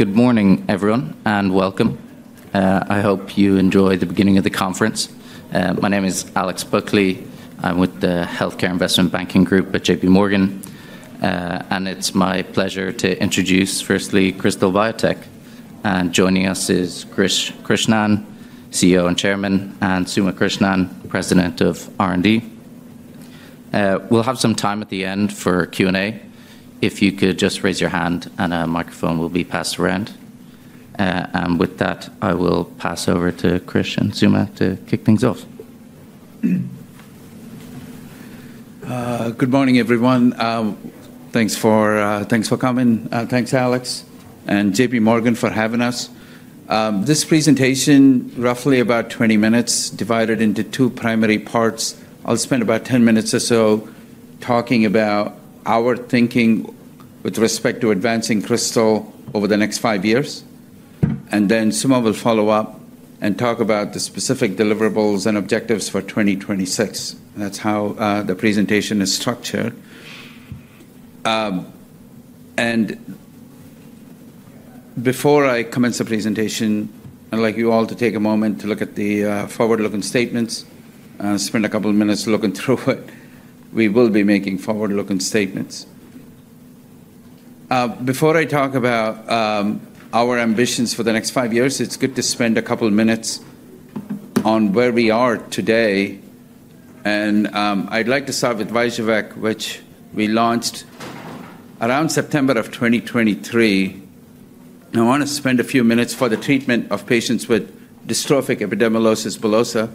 Good morning, everyone, and welcome. I hope you enjoy the beginning of the conference. My name is Alex Buckley. I'm with the Healthcare Investment Banking Group at J.P. Morgan. And it's my pleasure to introduce, firstly, Krystal Biotech. And joining us is Krishnan, CEO and Chairman, and Suma Krishnan, President of R&D. We'll have some time at the end for Q&A. If you could just raise your hand and a microphone will be passed around. And with that, I will pass over to Krish and Suma to kick things off. Good morning, everyone. Thanks for coming. Thanks, Alex, and J.P. Morgan for having us. This presentation, roughly about 20 minutes, divided into two primary parts. I'll spend about 10 minutes or so talking about our thinking with respect to advancing Krystal over the next five years, and then Suma will follow up and talk about the specific deliverables and objectives for 2026. That's how the presentation is structured, and before I commence the presentation, I'd like you all to take a moment to look at the forward-looking statements and spend a couple of minutes looking through it. We will be making forward-looking statements. Before I talk about our ambitions for the next five years, it's good to spend a couple of minutes on where we are today, and I'd like to start with VYJUVEK, which we launched around September of 2023. I want to spend a few minutes for the treatment of patients with dystrophic epidermolysis bullosa,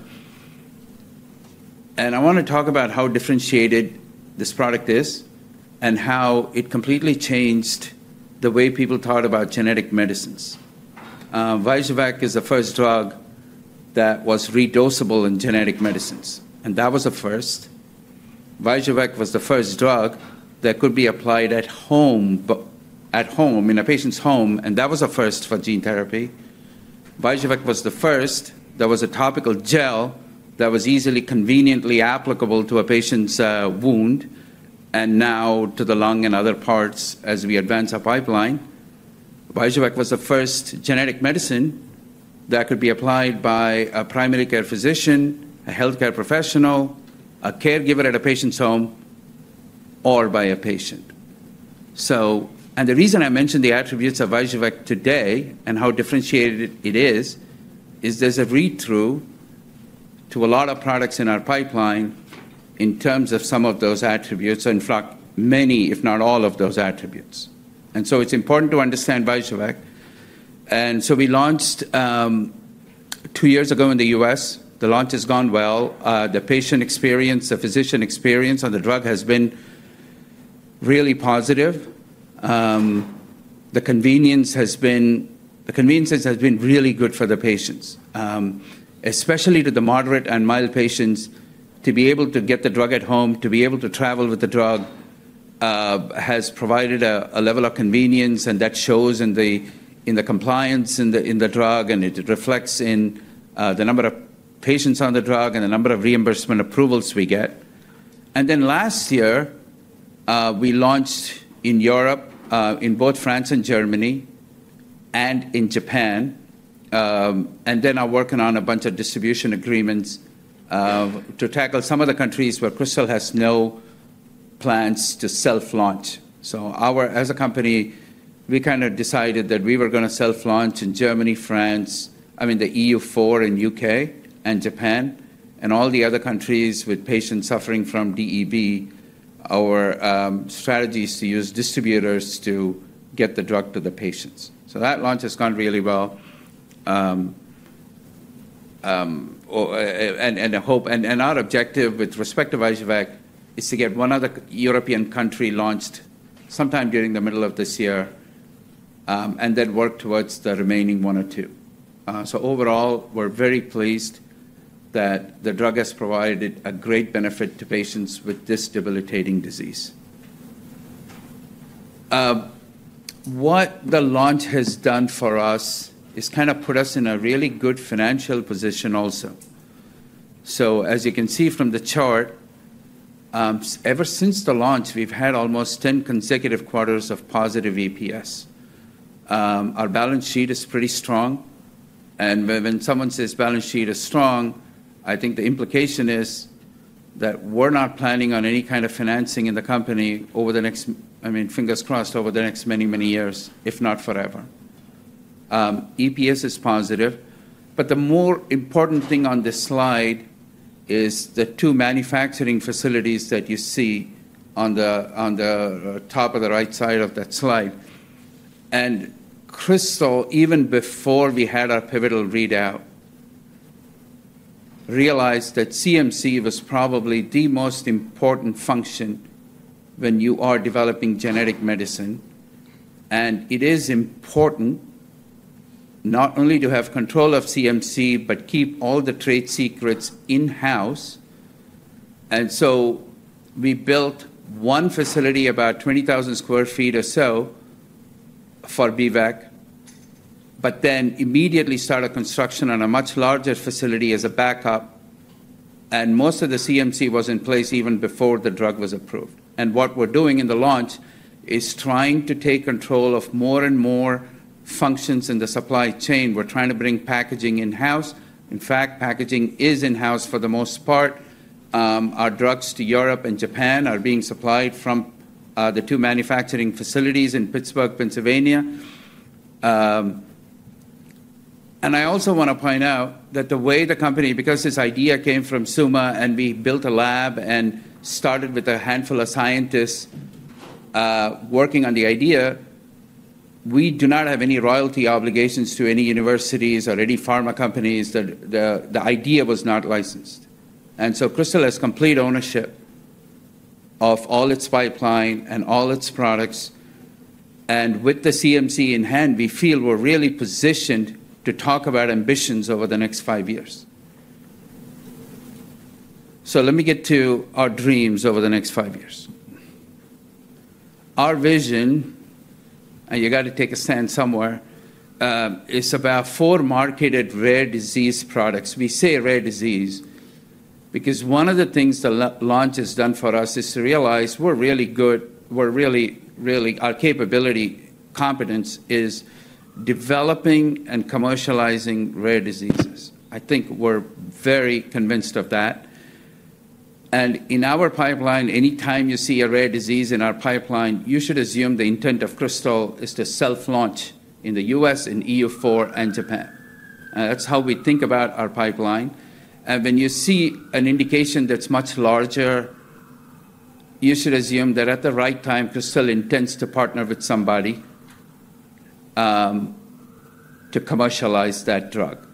and I want to talk about how differentiated this product is and how it completely changed the way people thought about genetic medicines. VYJUVEK is the first drug that was re-dosable in genetic medicines, and that was a first. VYJUVEK was the first drug that could be applied at home in a patient's home, and that was a first for gene therapy. VYJUVEK was the first. There was a topical gel that was easily, conveniently applicable to a patient's wound and now to the lung and other parts as we advance our pipeline. VYJUVEK was the first genetic medicine that could be applied by a primary care physician, a healthcare professional, a caregiver at a patient's home, or by a patient. And the reason I mention the attributes of VYJUVEK today and how differentiated it is, is there's a read-through to a lot of products in our pipeline in terms of some of those attributes, in fact, many, if not all, of those attributes. And so it's important to understand VYJUVEK. And so we launched two years ago in the U.S. The launch has gone well. The patient experience, the physician experience on the drug has been really positive. The convenience has been really good for the patients, especially to the moderate and mild patients. To be able to get the drug at home, to be able to travel with the drug has provided a level of convenience. And that shows in the compliance in the drug. And it reflects in the number of patients on the drug and the number of reimbursement approvals we get. And then last year, we launched in Europe in both France and Germany and in Japan. And then I'm working on a bunch of distribution agreements to tackle some of the countries where Krystal has no plans to self-launch. So as a company, we kind of decided that we were going to self-launch in Germany, France, I mean, the EU4 and the UK and Japan, and all the other countries with patients suffering from DEB, our strategies to use distributors to get the drug to the patients. So that launch has gone really well. And our objective with respect to VYJUVEK is to get one other European country launched sometime during the middle of this year and then work towards the remaining one or two. So overall, we're very pleased that the drug has provided a great benefit to patients with this debilitating disease. What the launch has done for us is kind of put us in a really good financial position also. So, as you can see from the chart, ever since the launch, we've had almost 10 consecutive quarters of positive EPS. Our balance sheet is pretty strong, and when someone says balance sheet is strong, I think the implication is that we're not planning on any kind of financing in the company over the next, I mean, fingers crossed, over the next many, many years, if not forever. EPS is positive, but the more important thing on this slide is the two manufacturing facilities that you see on the top of the right side of that slide, and Krystal, even before we had our pivotal readout, realized that CMC was probably the most important function when you are developing genetic medicine. And it is important not only to have control of CMC, but keep all the trade secrets in-house. And so we built one facility, about 20,000 sq ft or so, for B-VEC, but then immediately started construction on a much larger facility as a backup. And most of the CMC was in place even before the drug was approved. And what we're doing in the launch is trying to take control of more and more functions in the supply chain. We're trying to bring packaging in-house. In fact, packaging is in-house for the most part. Our drugs to Europe and Japan are being supplied from the two manufacturing facilities in Pittsburgh, Pennsylvania. I also want to point out that the way the company, because this idea came from Suma and we built a lab and started with a handful of scientists working on the idea, we do not have any royalty obligations to any universities or any pharma companies. The idea was not licensed, and so Krystal has complete ownership of all its pipeline and all its products. With the CMC in hand, we feel we're really positioned to talk about ambitions over the next five years. Let me get to our dreams over the next five years. Our vision, and you got to take a stand somewhere, is about four marketed rare disease products. We say rare disease because one of the things the launch has done for us is to realize we're really good. Our capability, competence, is developing and commercializing rare diseases. I think we're very convinced of that. And in our pipeline, anytime you see a rare disease in our pipeline, you should assume the intent of Krystal is to self-launch in the U.S., in EU4, and Japan. That's how we think about our pipeline. And when you see an indication that's much larger, you should assume that at the right time, Krystal intends to partner with somebody to commercialize that drug.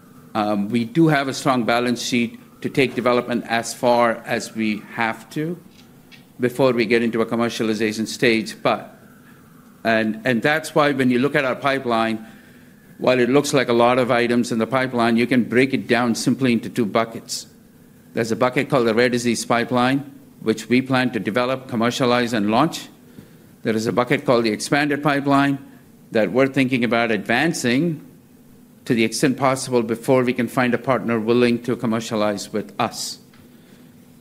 We do have a strong balance sheet to take development as far as we have to before we get into a commercialization stage. And that's why when you look at our pipeline, while it looks like a lot of items in the pipeline, you can break it down simply into two buckets. There's a bucket called the rare disease pipeline, which we plan to develop, commercialize, and launch. There is a bucket called the expanded pipeline that we're thinking about advancing to the extent possible before we can find a partner willing to commercialize with us,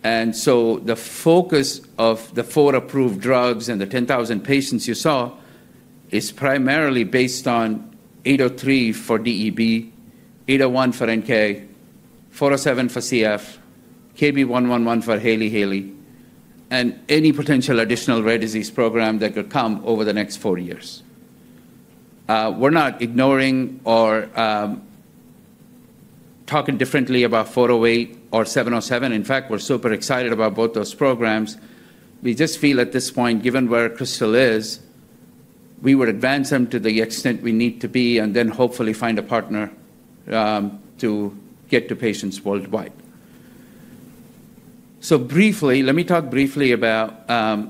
and so the focus of the four approved drugs and the 10,000 patients you saw is primarily based on KB803 for DEB, KB801 for NK, 407 for CF, KB111 for Hailey-Hailey, and any potential additional rare disease program that could come over the next four years. We're not ignoring or talking differently about 408 or 707. In fact, we're super excited about both those programs. We just feel at this point, given where Krystal is, we would advance them to the extent we need to be and then hopefully find a partner to get to patients worldwide, so let me talk briefly about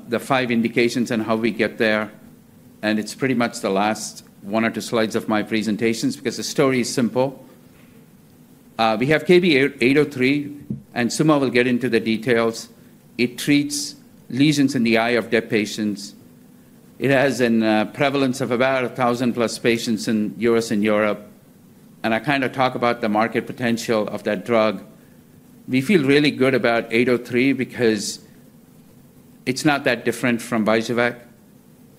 the five indications and how we get there. And it's pretty much the last one or two slides of my presentations because the story is simple. We have KB803, and Suma will get into the details. It treats lesions in the eye of DEB patients. It has a prevalence of about 1,000-plus patients in U.S. and Europe. And I kind of talk about the market potential of that drug. We feel really good about KB803 because it's not that different from VYJUVEK.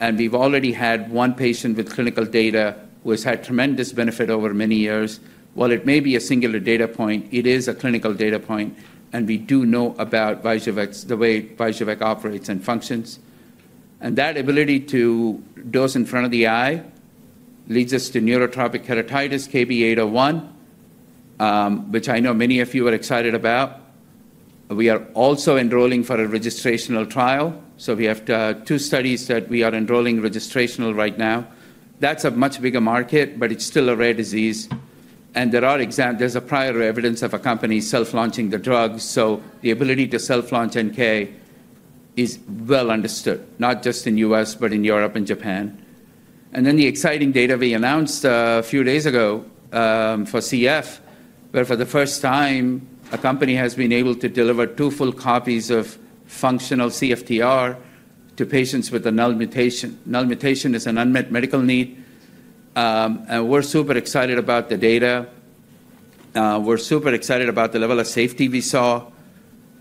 And we've already had one patient with clinical data who has had tremendous benefit over many years. While it may be a singular data point, it is a clinical data point. And we do know about VYJUVEK, the way VYJUVEK operates and functions. And that ability to dose in front of the eye leads us to neurotrophic keratitis, KB801, which I know many of you are excited about. We are also enrolling for a registrational trial. We have two studies that we are enrolling registrational right now. That's a much bigger market, but it's still a rare disease. There's prior evidence of a company self-launching the drug. The ability to self-launch NK is well understood, not just in the U.S., but in Europe and Japan. Then the exciting data we announced a few days ago for CF, where for the first time, a company has been able to deliver two full copies of functional CFTR to patients with a null mutation. Null mutation is an unmet medical need. We're super excited about the data. We're super excited about the level of safety we saw.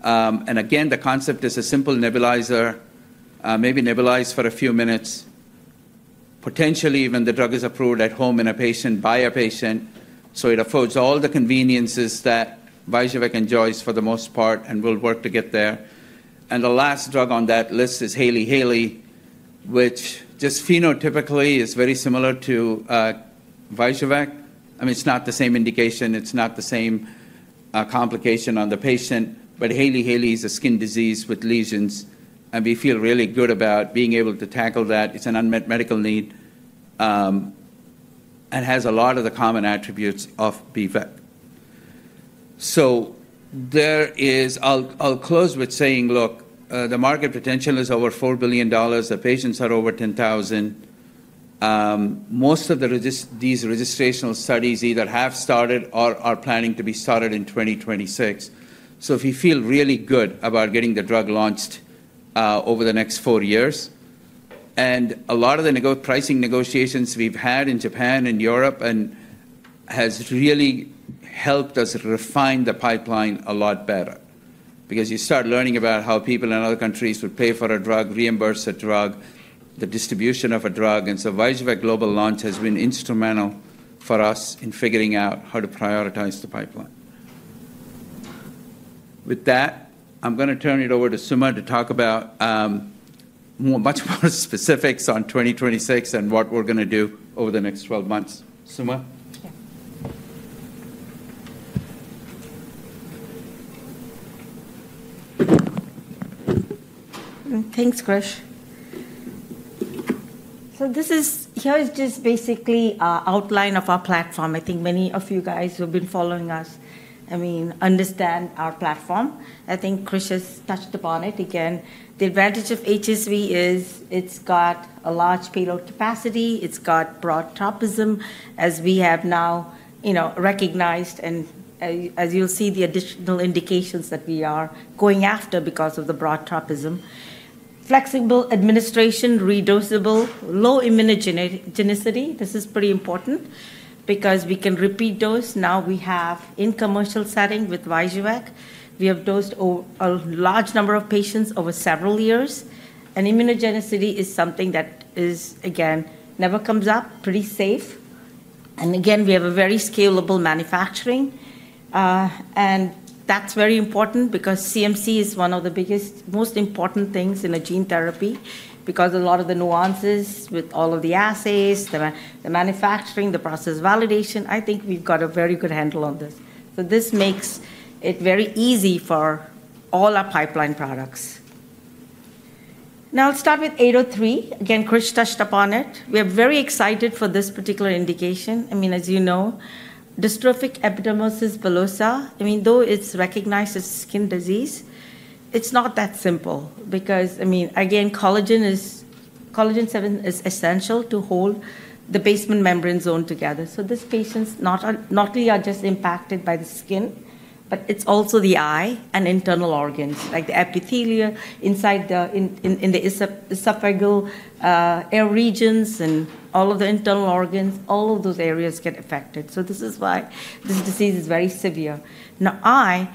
Again, the concept is a simple nebulizer, maybe nebulized for a few minutes. Potentially, when the drug is approved at home in a patient by a patient. So it affords all the conveniences that VYJUVEK enjoys for the most part and will work to get there. And the last drug on that list is Hailey-Hailey, which just phenotypically is very similar to VYJUVEK. I mean, it's not the same indication. It's not the same complication on the patient. But Hailey-Hailey is a skin disease with lesions. And we feel really good about being able to tackle that. It's an unmet medical need and has a lot of the common attributes of DEB. So I'll close with saying, look, the market potential is over $4 billion. The patients are over 10,000. Most of these registrational studies either have started or are planning to be started in 2026. So we feel really good about getting the drug launched over the next four years. A lot of the pricing negotiations we've had in Japan and Europe has really helped us refine the pipeline a lot better because you start learning about how people in other countries would pay for a drug, reimburse a drug, the distribution of a drug. And so VYJUVEK Global Launch has been instrumental for us in figuring out how to prioritize the pipeline. With that, I'm going to turn it over to Suma to talk about much more specifics on 2026 and what we're going to do over the next 12 months. Suma. Thanks, Krish. So here is just basically our outline of our platform. I think many of you guys who have been following us, I mean, understand our platform. I think Krish has touched upon it again. The advantage of HSV is it's got a large payload capacity. It's got broad tropism, as we have now recognized. And as you'll see, the additional indications that we are going after because of the broad tropism. Flexible administration, re-dosable, low immunogenicity. This is pretty important because we can repeat dose. Now we have, in commercial setting with VYJUVEK, we have dosed a large number of patients over several years. And immunogenicity is something that is, again, never comes up. Pretty safe. And again, we have a very scalable manufacturing. And that's very important because CMC is one of the biggest, most important things in a gene therapy because a lot of the nuances with all of the assays, the manufacturing, the process validation, I think we've got a very good handle on this. So this makes it very easy for all our pipeline products. Now I'll start with KB803. Again, Krish touched upon it. We are very excited for this particular indication. I mean, as you know, dystrophic epidermolysis bullosa, I mean, though it's recognized as a skin disease, it's not that simple because, I mean, again, collagen 7 is essential to hold the basement membrane zone together. So these patients not only are just impacted by the skin, but it's also the eye and internal organs, like the epithelia inside the esophageal and airway regions and all of the internal organs. All of those areas get affected. So this is why this disease is very severe. Now, eye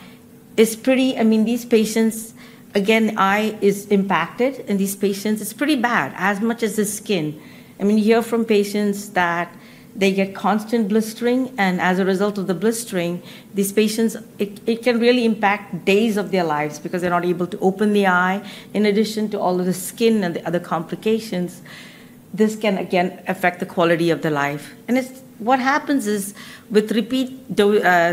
is pretty. I mean, these patients, again, eye is impacted in these patients. It's pretty bad, as much as the skin. I mean, you hear from patients that they get constant blistering. As a result of the blistering, these patients, it can really impact days of their lives because they're not able to open the eye. In addition to all of the skin and the other complications, this can, again, affect the quality of their life. And what happens is with repeat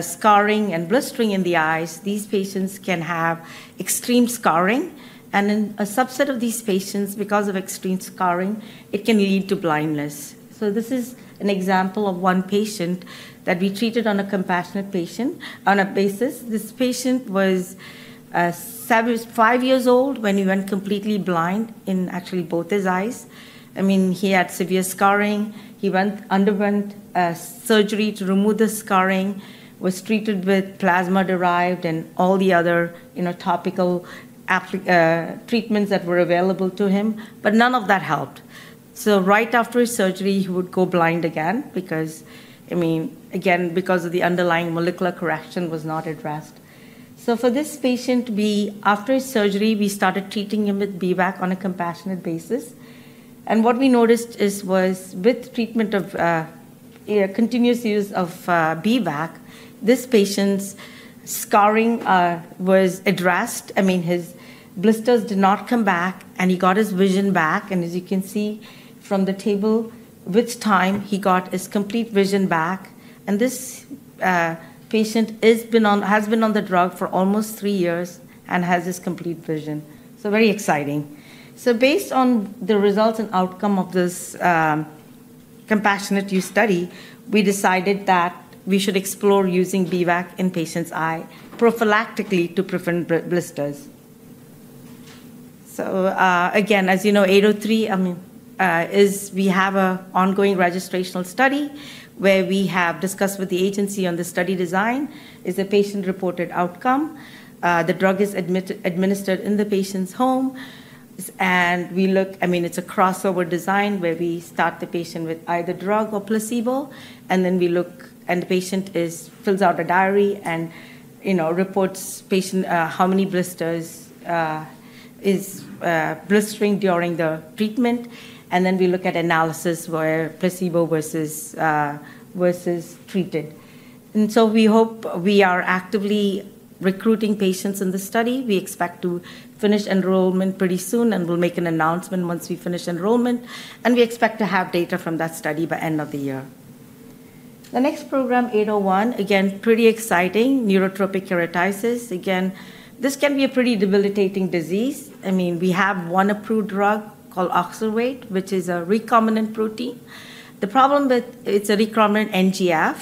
scarring and blistering in the eyes, these patients can have extreme scarring. And in a subset of these patients, because of extreme scarring, it can lead to blindness. So this is an example of one patient that we treated on a compassionate basis. This patient was five years old when he went completely blind in actually both his eyes. I mean, he had severe scarring. He underwent surgery to remove the scarring, was treated with plasma-derived and all the other topical treatments that were available to him. But none of that helped. So right after his surgery, he would go blind again because, I mean, again, because of the underlying molecular correction was not addressed. So for this patient, after his surgery, we started treating him with B-VEC on a compassionate basis. And what we noticed was with treatment of continuous use of B-VEC, this patient's scarring was addressed. I mean, his blisters did not come back, and he got his vision back. And as you can see from the table, with time, he got his complete vision back. And this patient has been on the drug for almost three years and has his complete vision. So very exciting. So based on the results and outcome of this compassionate use study, we decided that we should explore using B-VEC in patients' eyes prophylactically to prevent blisters. So again, as you know, KB803. I mean, we have an ongoing registrational study where we have discussed with the agency on the study design, is a patient-reported outcome. The drug is administered in the patient's home. I mean, it's a crossover design where we start the patient with either drug or placebo. And then we look, and the patient fills out a diary and reports how many blisters are blistering during the treatment. And then we look at analysis where placebo versus treated. And so we hope we are actively recruiting patients in the study. We expect to finish enrollment pretty soon, and we'll make an announcement once we finish enrollment. And we expect to have data from that study by end of the year. The next program, 801, again, pretty exciting, neurotrophic keratitis. Again, this can be a pretty debilitating disease. I mean, we have one approved drug called Oxervate, which is a recombinant protein. The problem with it's a recombinant NGF.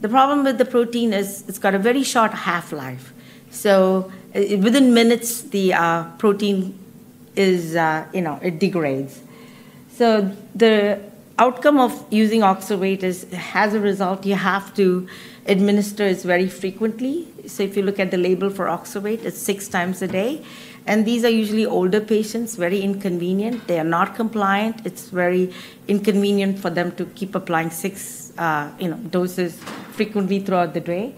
The problem with the protein is it's got a very short half-life. So within minutes, the protein, it degrades. The outcome of using Oxervate is, as a result, you have to administer it very frequently. If you look at the label for Oxervate, it's six times a day. These are usually older patients, very inconvenient. They are not compliant. It's very inconvenient for them to keep applying six doses frequently throughout the day.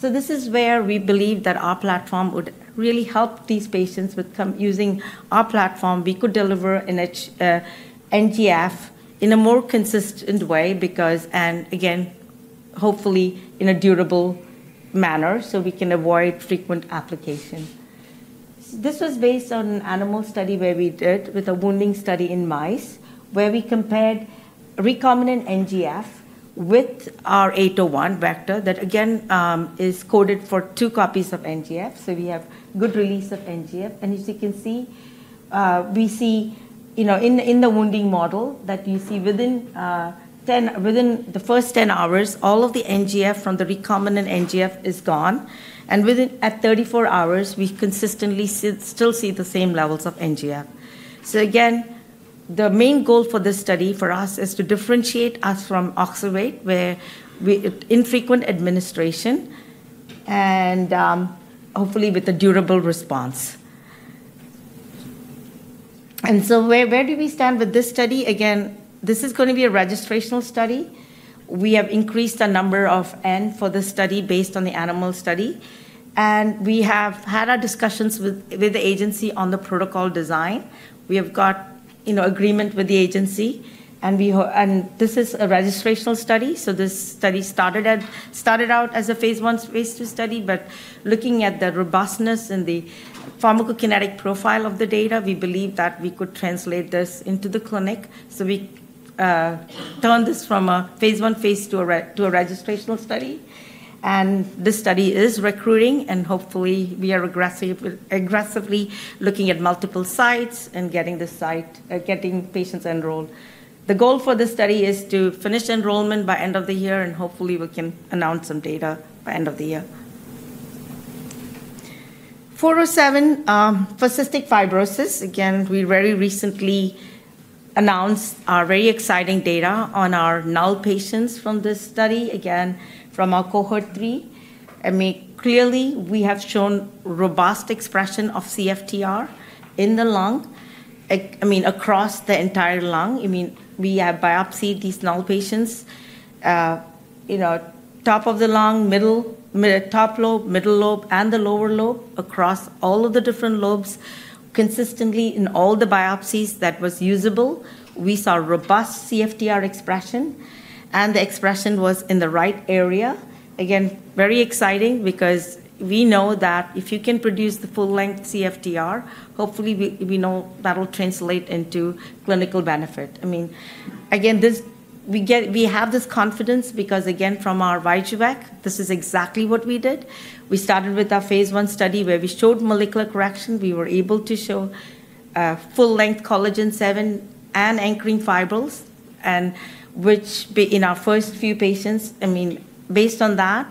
This is where we believe that our platform would really help these patients with using our platform. We could deliver an NGF in a more consistent way because, and again, hopefully in a durable manner so we can avoid frequent application. This was based on an animal study where we did with a wounding study in mice where we compared recombinant NGF with our KB801 vector that, again, is coded for two copies of NGF. We have good release of NGF. As you can see, we see in the wounding model that you see within the first 10 hours, all of the NGF from the recombinant NGF is gone. And at 34 hours, we consistently still see the same levels of NGF. So again, the main goal for this study for us is to differentiate us from Oxervate with infrequent administration and hopefully with a durable response. And so where do we stand with this study? Again, this is going to be a registrational study. We have increased the number of N for this study based on the animal study. And we have had our discussions with the agency on the protocol design. We have got agreement with the agency. And this is a registrational study. So this study started out as a phase I, phase II study. Looking at the robustness and the pharmacokinetic profile of the data, we believe that we could translate this into the clinic. We turned this from a phase II phase to a registrational study. This study is recruiting. Hopefully, we are aggressively looking at multiple sites and getting patients enrolled. The goal for this study is to finish enrollment by end of the year. Hopefully, we can announce some data by end of the year. 407, for cystic fibrosis, again, we very recently announced very exciting data on our null patients from this study, again, from our cohort three. I mean, clearly, we have shown robust expression of CFTR in the lung, I mean, across the entire lung. I mean, we have biopsied these null patients, top of the lung, top lobe, middle lobe, and the lower lobe across all of the different lobes. Consistently, in all the biopsies that were usable, we saw robust CFTR expression, and the expression was in the right area. Again, very exciting because we know that if you can produce the full-length CFTR, hopefully, we know that will translate into clinical benefit. I mean, again, we have this confidence because, again, from our VYJUVEK, this is exactly what we did. We started with our phase I study where we showed molecular correction. We were able to show full-length collagen 7 and anchoring fibrils, which in our first few patients, I mean, based on that,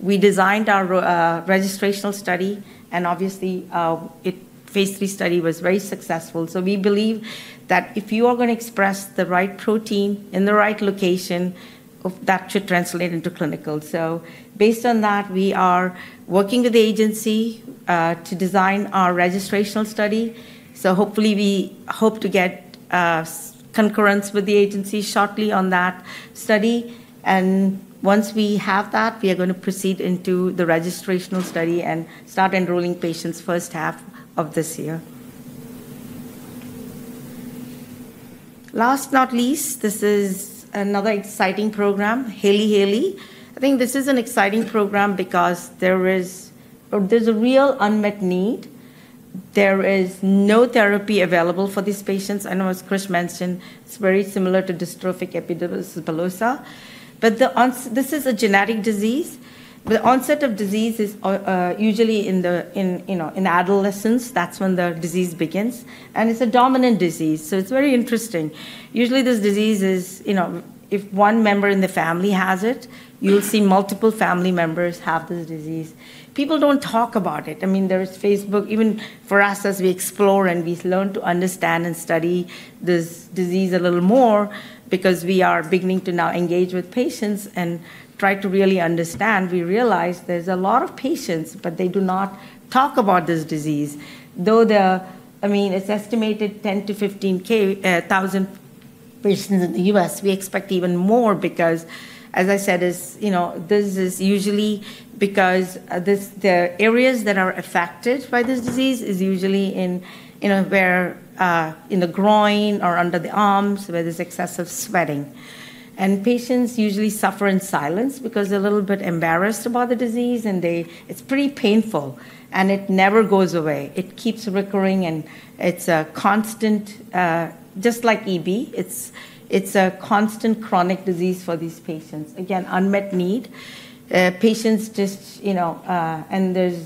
we designed our registrational study, and obviously, phase III study was very successful, so we believe that if you are going to express the right protein in the right location, that should translate into clinical, so based on that, we are working with the agency to design our registrational study. So hopefully, we hope to get concurrence with the agency shortly on that study. And once we have that, we are going to proceed into the registrational study and start enrolling patients first half of this year. Last but not least, this is another exciting program, Hailey-Hailey. I think this is an exciting program because there's a real unmet need. There is no therapy available for these patients. I know as Krish mentioned, it's very similar to dystrophic epidermolysis bullosa. But this is a genetic disease. The onset of disease is usually in adolescence. That's when the disease begins. And it's a dominant disease. So it's very interesting. Usually, this disease is if one member in the family has it, you'll see multiple family members have this disease. People don't talk about it. I mean, there is Facebook, even for us as we explore and we learn to understand and study this disease a little more because we are beginning to now engage with patients and try to really understand. We realize there's a lot of patients, but they do not talk about this disease. Though, I mean, it's estimated 10,000-15,000 patients in the U.S. We expect even more because, as I said, this is usually because the areas that are affected by this disease is usually in the groin or under the arms where there's excessive sweating. And patients usually suffer in silence because they're a little bit embarrassed about the disease. And it's pretty painful. And it never goes away. It keeps recurring. And it's a constant, just like EB, it's a constant chronic disease for these patients. Again, unmet need. Patients just, and as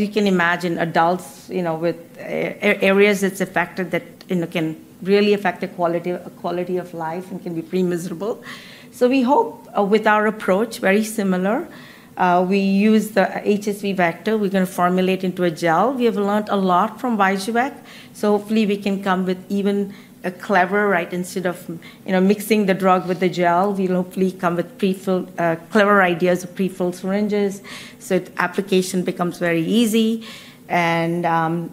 you can imagine, adults with areas it's affected that can really affect the quality of life and can be pretty miserable. So we hope with our approach, very similar. We use the HSV vector. We're going to formulate into a gel. We have learned a lot from VYJUVEK. So hopefully, we can come with even a clever, right? Instead of mixing the drug with the gel, we'll hopefully come with clever ideas of prefilled syringes so application becomes very easy. And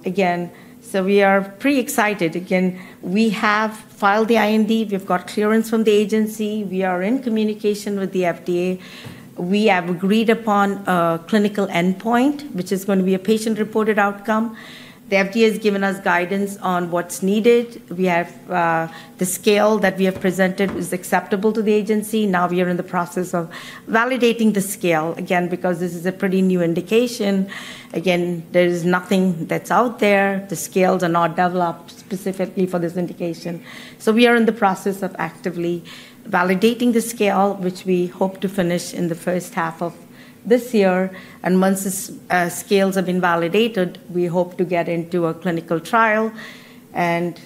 again, so we are pretty excited. Again, we have filed the IND. We've got clearance from the agency. We are in communication with the FDA. We have agreed upon a clinical endpoint, which is going to be a patient-reported outcome. The FDA has given us guidance on what's needed. The scale that we have presented is acceptable to the agency. Now we are in the process of validating the scale, again, because this is a pretty new indication. Again, there is nothing that's out there. The scales are not developed specifically for this indication, so we are in the process of actively validating the scale, which we hope to finish in the first half of this year, and once the scales have been validated, we hope to get into a clinical trial, and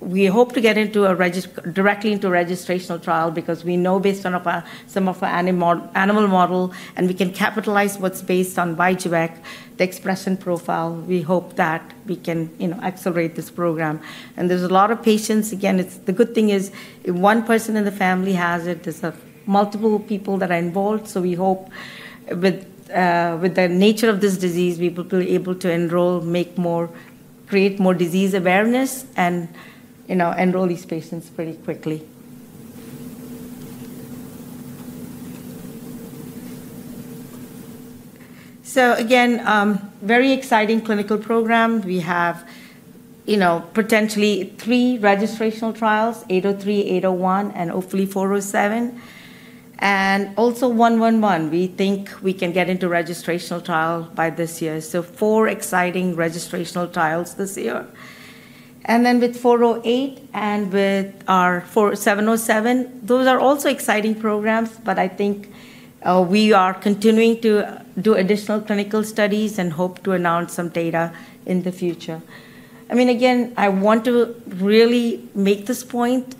we hope to get directly into a registrational trial because we know based on some of our animal model, and we can capitalize what's based on VYJUVEK, the expression profile. We hope that we can accelerate this program, and there's a lot of patients. Again, the good thing is if one person in the family has it, there's multiple people that are involved. So we hope with the nature of this disease, we will be able to enroll, create more disease awareness, and enroll these patients pretty quickly. So again, very exciting clinical program. We have potentially three registrational trials, KB803, KB801, and hopefully KB407. And also KB111, we think we can get into registrational trial by this year. So four exciting registrational trials this year. And then with KB408 and with our KB707, those are also exciting programs. But I think we are continuing to do additional clinical studies and hope to announce some data in the future. I mean, again, I want to really make this point.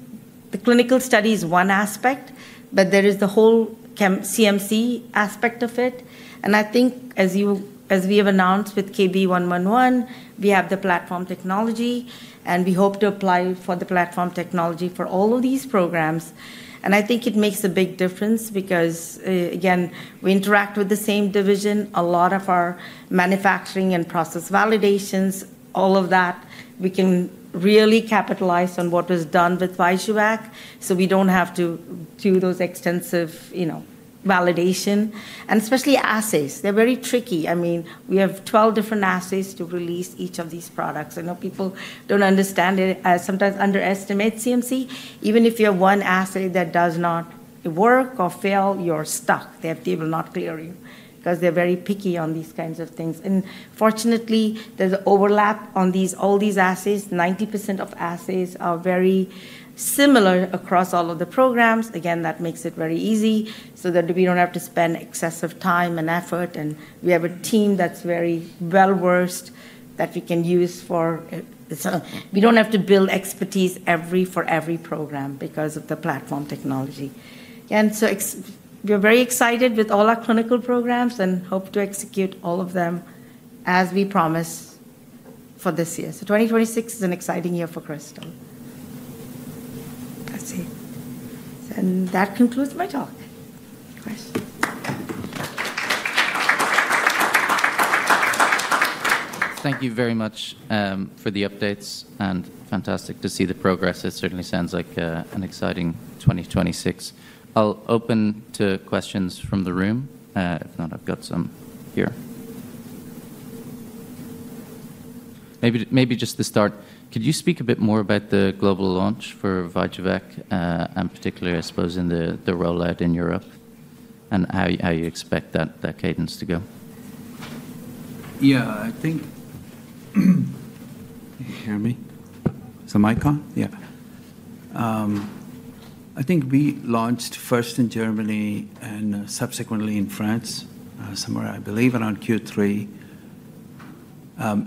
The clinical study is one aspect, but there is the whole CMC aspect of it. And I think as we have announced with KB111, we have the platform technology. And we hope to apply for the platform technology for all of these programs. And I think it makes a big difference because, again, we interact with the same division. A lot of our manufacturing and process validations, all of that, we can really capitalize on what was done with VYJUVEK so we don't have to do those extensive validation. And especially assays, they're very tricky. I mean, we have 12 different assays to release each of these products. I know people don't understand it, sometimes underestimate CMC. Even if you have one assay that does not work or fail, you're stuck. They will not clear you because they're very picky on these kinds of things. And fortunately, there's an overlap on all these assays. 90% of assays are very similar across all of the programs. Again, that makes it very easy so that we don't have to spend excessive time and effort. And we have a team that's very well-versed that we can use, for we don't have to build expertise for every program because of the platform technology. Again, so we're very excited with all our clinical programs and hope to execute all of them as we promised for this year. So 2026 is an exciting year for Krystal. That's it. And that concludes my talk. Thank you. Thank you very much for the updates. And fantastic to see the progress. It certainly sounds like an exciting 2026. I'll open to questions from the room. If not, I've got some here. Maybe just to start, could you speak a bit more about the global launch for VYJUVEK and particularly, I suppose, in the rollout in Europe and how you expect that cadence to go? Yeah, I think... Can you hear me? Is that my mic? Yeah. I think we launched first in Germany and subsequently in France, somewhere, I believe, around Q3.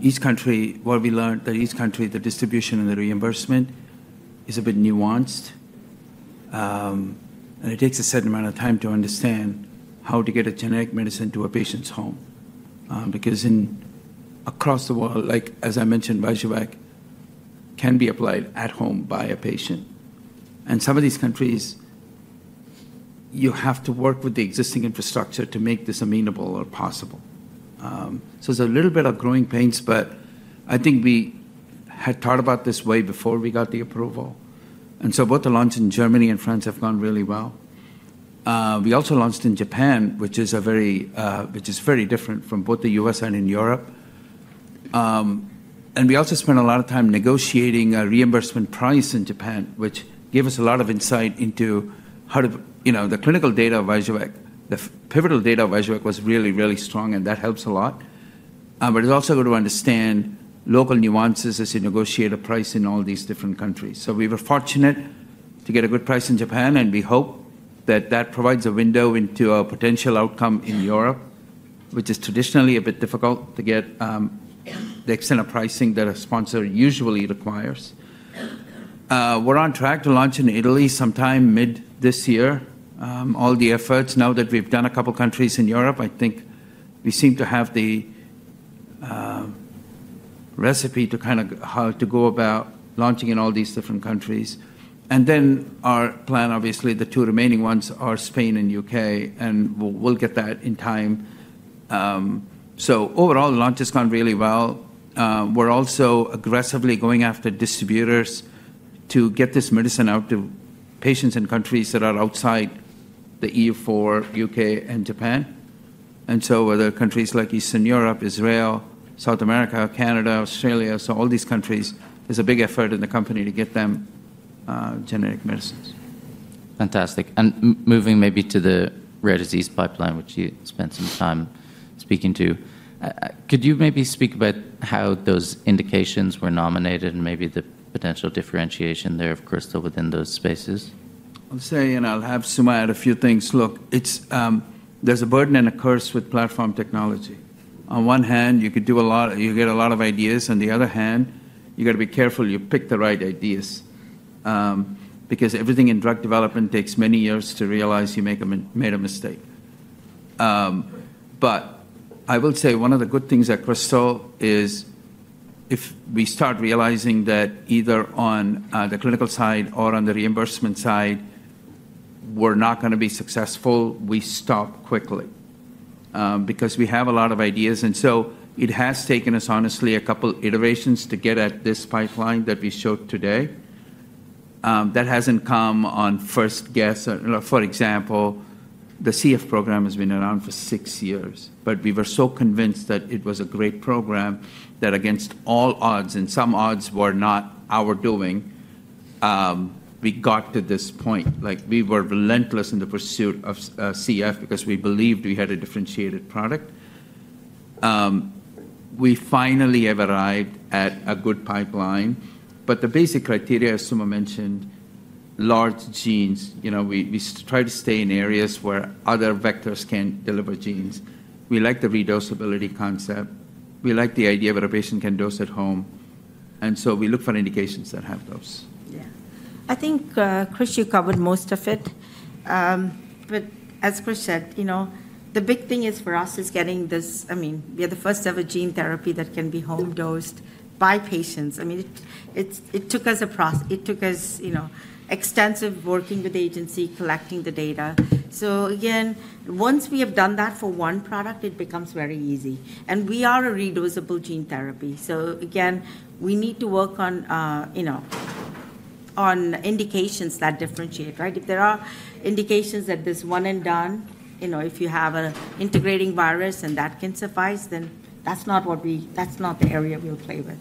Each country, what we learned, that the distribution and the reimbursement is a bit nuanced, and it takes a certain amount of time to understand how to get a genetic medicine to a patient's home because across the world, as I mentioned, VYJUVEK can be applied at home by a patient, and some of these countries, you have to work with the existing infrastructure to make this amenable or possible, so it's a little bit of growing pains, but I think we had thought about this way before we got the approval, and so both the launch in Germany and France have gone really well. We also launched in Japan, which is very different from both the U.S. and Europe. We also spent a lot of time negotiating a reimbursement price in Japan, which gave us a lot of insight into the clinical data of VYJUVEK. The pivotal data of VYJUVEK was really, really strong. That helps a lot. It's also good to understand local nuances as you negotiate a price in all these different countries. We were fortunate to get a good price in Japan. We hope that that provides a window into a potential outcome in Europe, which is traditionally a bit difficult to get the extent of pricing that a sponsor usually requires. We're on track to launch in Italy sometime mid this year. All the efforts, now that we've done a couple of countries in Europe, I think we seem to have the recipe to kind of how to go about launching in all these different countries. And then our plan, obviously, the two remaining ones are Spain and UK. And we'll get that in time. So overall, the launch has gone really well. We're also aggressively going after distributors to get this medicine out to patients in countries that are outside the EU for UK and Japan. And so other countries like Eastern Europe, Israel, South America, Canada, Australia. So all these countries, there's a big effort in the company to get them genetic medicines. Fantastic. And moving maybe to the rare disease pipeline, which you spent some time speaking to, could you maybe speak about how those indications were nominated and maybe the potential differentiation there, of Krystal, within those spaces? I'll say, and I'll have Suma add a few things. Look, there's a burden and a curse with platform technology. On one hand, you could do a lot. You get a lot of ideas. On the other hand, you got to be careful you pick the right ideas because everything in drug development takes many years to realize you made a mistake. But I will say one of the good things at Krystal is if we start realizing that either on the clinical side or on the reimbursement side, we're not going to be successful, we stop quickly because we have a lot of ideas. And so it has taken us, honestly, a couple of iterations to get at this pipeline that we showed today. That hasn't come on first guess. For example, the CF program has been around for six years. But we were so convinced that it was a great program that against all odds, and some odds were not our doing, we got to this point. We were relentless in the pursuit of CF because we believed we had a differentiated product. We finally have arrived at a good pipeline. The basic criteria, as Suma mentioned, large genes. We try to stay in areas where other vectors can deliver genes. We like the re-dosability concept. We like the idea that a patient can dose at home. And so we look for indications that have those. Yeah. I think, Krish, you covered most of it. But as Krish said, the big thing for us is getting this. I mean, we are the first ever gene therapy that can be home-dosed by patients. I mean, it took us extensive working with the agency, collecting the data. So again, once we have done that for one product, it becomes very easy. And we are a re-dosable gene therapy. So again, we need to work on indications that differentiate, right? If there are indications that this one and done, if you have an integrating virus and that can suffice, then that's not the area we'll play with.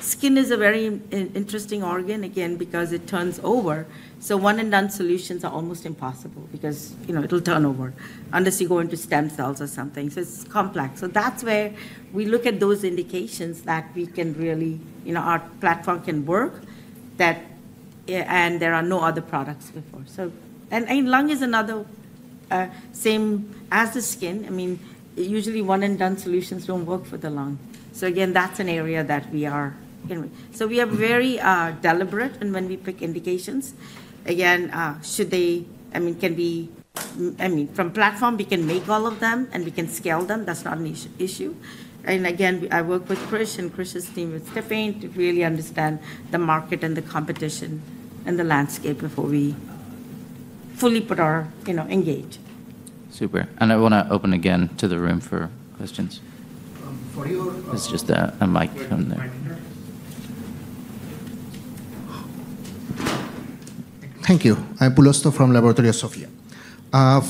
Skin is a very interesting organ, again, because it turns over. So one and done solutions are almost impossible because it'll turn over unless you go into stem cells or something. So it's complex. So that's where we look at those indications that we can really our platform can work, and there are no other products before. And lung is another same as the skin. I mean, usually one and done solutions don't work for the lung. So again, that's an area that we are very deliberate when we pick indications. Again, from platform, we can make all of them, and we can scale them. That's not an issue. And again, I work with Krish and Krish's team with Stipan to really understand the market and the competition and the landscape before we fully put our engage. Super. And I want to open again to the room for questions. It's just a mic from there. Thank you. Pablo Osuna from Laboratorios Sophia.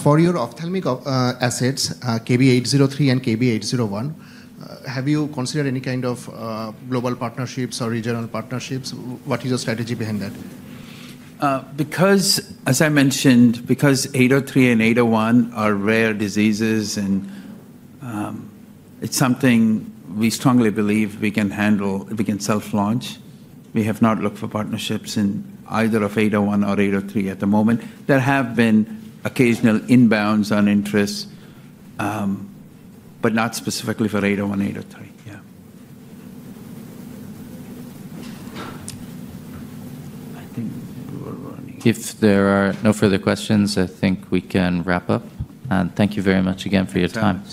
For your ophthalmic assets, KB803 and KB801, have you considered any kind of global partnerships or regional partnerships? What is your strategy behind that? As I mentioned, because KB803 and KB801 are rare diseases, and it's something we strongly believe we can handle if we can self-launch, we have not looked for partnerships in either of KB801 or KB803 at the moment. There have been occasional inbounds on interest, but not specifically for KB801, KB803. Yeah. I think we're running. If there are no further questions, I think we can wrap up. Thank you very much again for your time.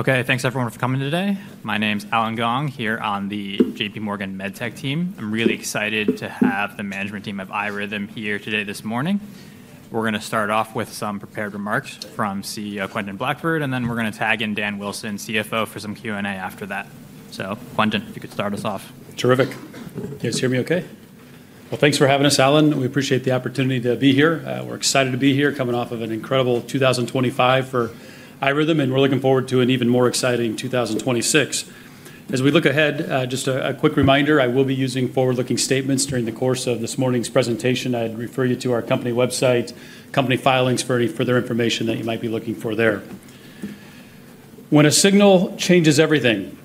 Thank you. Thank you. Okay. Thanks, everyone, for coming today. My name's Allen Gong here on the J.P. Morgan MedTech team. I'm really excited to have the management team of iRhythm here today this morning. We're going to start off with some prepared remarks from CEO Quentin Blackford, and then we're going to tag in Dan Wilson, CFO, for some Q&A after that. Quentin, if you could start us off. Terrific. Can you guys hear me okay? Thanks for having us, Allen. We appreciate the opportunity to be here. We're excited to be here coming off of an incredible 2025 for iRhythm, and we're looking forward to an even more exciting 2026. As we look ahead, just a quick reminder, I will be using forward-looking statements during the course of this morning's presentation. I'd refer you to our company website, company filings, for any further information that you might be looking for there. When a signal changes everything,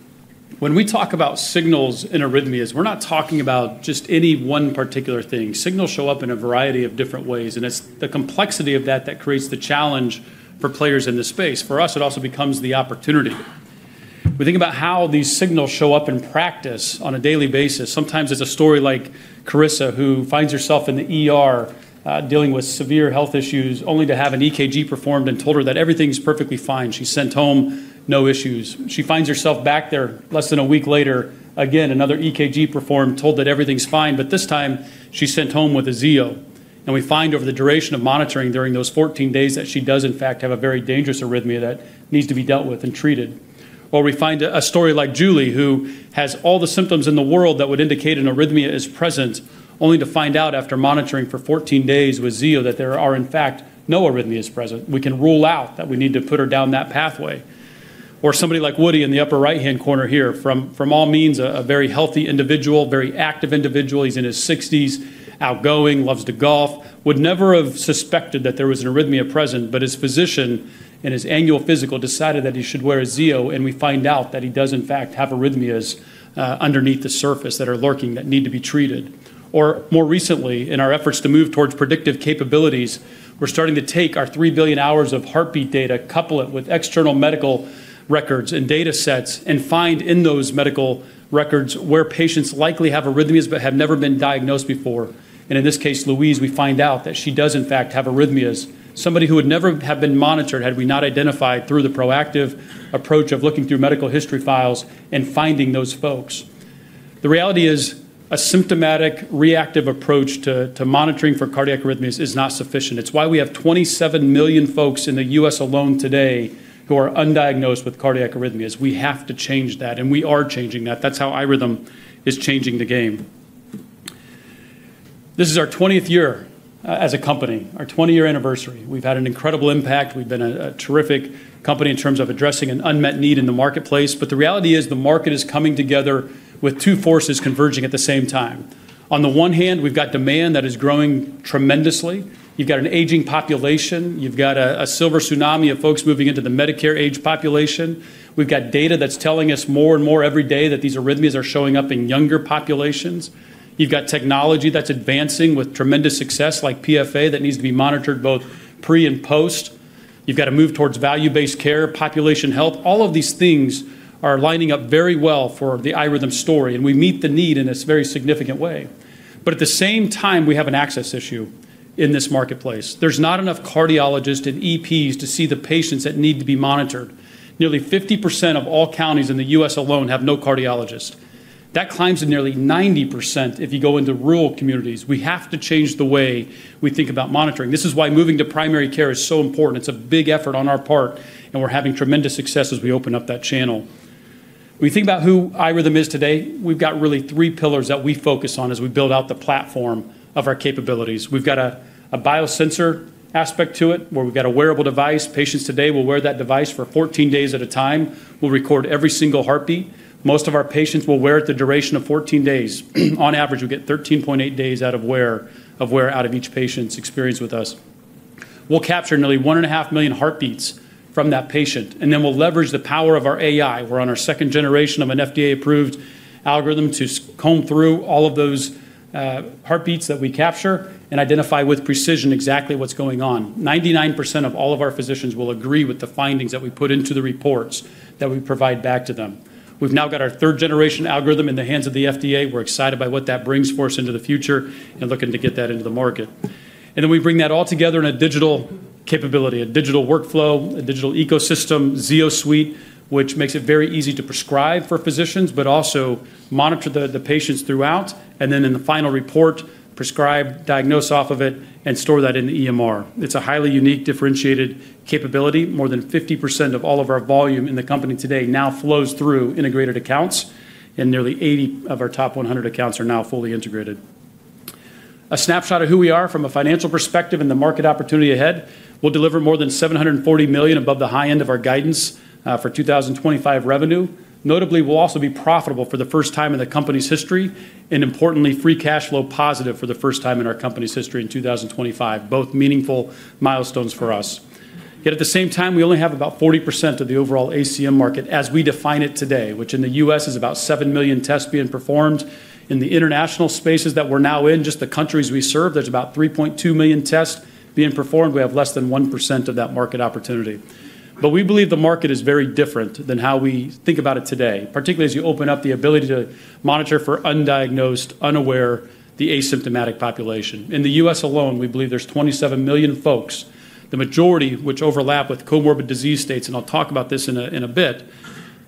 when we talk about signals in arrhythmias, we're not talking about just any one particular thing. Signals show up in a variety of different ways, and it's the complexity of that that creates the challenge for players in this space. For us, it also becomes the opportunity. We think about how these signals show up in practice on a daily basis. Sometimes it's a story like Krish, who finds herself in the dealing with severe health issues, only to have an EKG performed and told her that everything's perfectly fine. She's sent home, no issues. She finds herself back there less than a week later, again, another EKG performed, told that everything's fine, but this time she's sent home with a Zio. And we find over the duration of monitoring during those 14 days that she does, in fact, have a very dangerous arrhythmia that needs to be dealt with and treated. Or we find a story like Julie, who has all the symptoms in the world that would indicate an arrhythmia is present, only to find out after monitoring for 14 days with Zio that there are, in fact, no arrhythmias present. We can rule out that we need to put her down that pathway. Or somebody like Woody in the upper right-hand corner here, by all means, a very healthy individual, very active individual. He's in his 60s, outgoing, loves to golf, would never have suspected that there was an arrhythmia present, but his physician at his annual physical decided that he should wear a Zio, and we find out that he does, in fact, have arrhythmias underneath the surface that are lurking that need to be treated. Or more recently, in our efforts to move towards predictive capabilities, we're starting to take our 3 billion hours of heartbeat data, couple it with external medical records and data sets, and find in those medical records where patients likely have arrhythmias but have never been diagnosed before, and in this case, Louise, we find out that she does, in fact, have arrhythmias. Somebody who would never have been monitored had we not identified through the proactive approach of looking through medical history files and finding those folks. The reality is a symptomatic, reactive approach to monitoring for cardiac arrhythmias is not sufficient. It's why we have 27 million folks in the U.S. alone today who are undiagnosed with cardiac arrhythmias. We have to change that, and we are changing that. That's how iRhythm is changing the game. This is our 20th year as a company, our 20-year anniversary. We've had an incredible impact. We've been a terrific company in terms of addressing an unmet need in the marketplace, but the reality is the market is coming together with two forces converging at the same time. On the one hand, we've got demand that is growing tremendously. You've got an aging population. You've got a silver tsunami of folks moving into the Medicare-age population. We've got data that's telling us more and more every day that these arrhythmias are showing up in younger populations. You've got technology that's advancing with tremendous success, like PFA, that needs to be monitored both pre and post. You've got to move towards value-based care, population health. All of these things are lining up very well for the iRhythm story, and we meet the need in this very significant way. But at the same time, we have an access issue in this marketplace. There's not enough cardiologists and EPs to see the patients that need to be monitored. Nearly 50% of all counties in the U.S. alone have no cardiologists. That climbs to nearly 90% if you go into rural communities. We have to change the way we think about monitoring. This is why moving to primary care is so important. It's a big effort on our part, and we're having tremendous success as we open up that channel. When you think about who iRhythm is today, we've got really three pillars that we focus on as we build out the platform of our capabilities. We've got a biosensor aspect to it where we've got a wearable device. Patients today will wear that device for 14 days at a time. We'll record every single heartbeat. Most of our patients will wear it the duration of 14 days. On average, we get 13.8 days out of wear out of each patient's experience with us. We'll capture nearly one and a half million heartbeats from that patient, and then we'll leverage the power of our AI. We're on our second generation of an FDA-approved algorithm to comb through all of those heartbeats that we capture and identify with precision exactly what's going on. 99% of all of our physicians will agree with the findings that we put into the reports that we provide back to them. We've now got our third-generation algorithm in the hands of the FDA. We're excited by what that brings for us into the future and looking to get that into the market. And then we bring that all together in a digital capability, a digital workflow, a digital ecosystem, Zio Suite, which makes it very easy to prescribe for physicians, but also monitor the patients throughout, and then in the final report, prescribe, diagnose off of it, and store that in the EMR. It's a highly unique, differentiated capability. More than 50% of all of our volume in the company today now flows through integrated accounts, and nearly 80 of our top 100 accounts are now fully integrated. A snapshot of who we are from a financial perspective and the market opportunity ahead. We'll deliver more than $740 million above the high end of our guidance for 2025 revenue. Notably, we'll also be profitable for the first time in the company's history and, importantly, free cash flow positive for the first time in our company's history in 2025, both meaningful milestones for us. Yet at the same time, we only have about 40% of the overall ACM market as we define it today, which in the U.S. is about 7 million tests being performed. In the international spaces that we're now in, just the countries we serve, there's about 3.2 million tests being performed. We have less than 1% of that market opportunity. But we believe the market is very different than how we think about it today, particularly as you open up the ability to monitor for undiagnosed, unaware, the asymptomatic population. In the U.S. alone, we believe there's 27 million folks, the majority, which overlap with comorbid disease states, and I'll talk about this in a bit,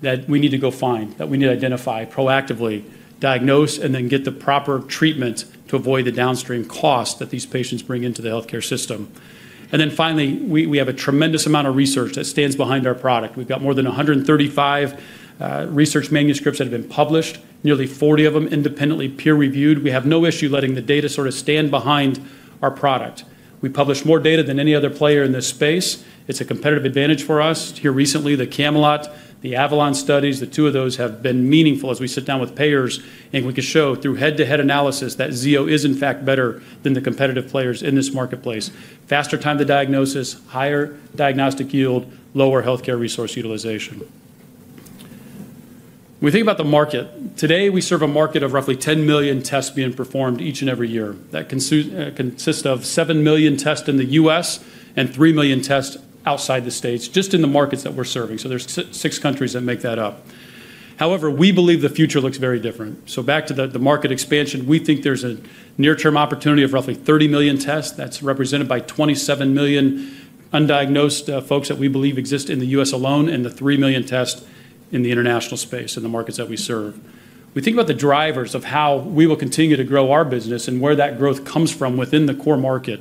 that we need to go find, that we need to identify proactively, diagnose, and then get the proper treatment to avoid the downstream cost that these patients bring into the healthcare system, and then finally, we have a tremendous amount of research that stands behind our product. We've got more than 135 research manuscripts that have been published, nearly 40 of them independently peer-reviewed. We have no issue letting the data sort of stand behind our product. We publish more data than any other player in this space. It's a competitive advantage for us. Here recently, the Camelot, the Avalon studies, the two of those have been meaningful as we sit down with payers, and we can show through head-to-head analysis that Zio is, in fact, better than the competitive players in this marketplace. Faster time to diagnosis, higher diagnostic yield, lower healthcare resource utilization. When we think about the market, today we serve a market of roughly 10 million tests being performed each and every year. That consists of 7 million tests in the U.S. and 3 million tests outside the states, just in the markets that we're serving. So there's six countries that make that up. However, we believe the future looks very different. So back to the market expansion, we think there's a near-term opportunity of roughly 30 million tests. That's represented by 27 million undiagnosed folks that we believe exist in the U.S. alone and the 3 million tests in the international space in the markets that we serve. We think about the drivers of how we will continue to grow our business and where that growth comes from within the core market.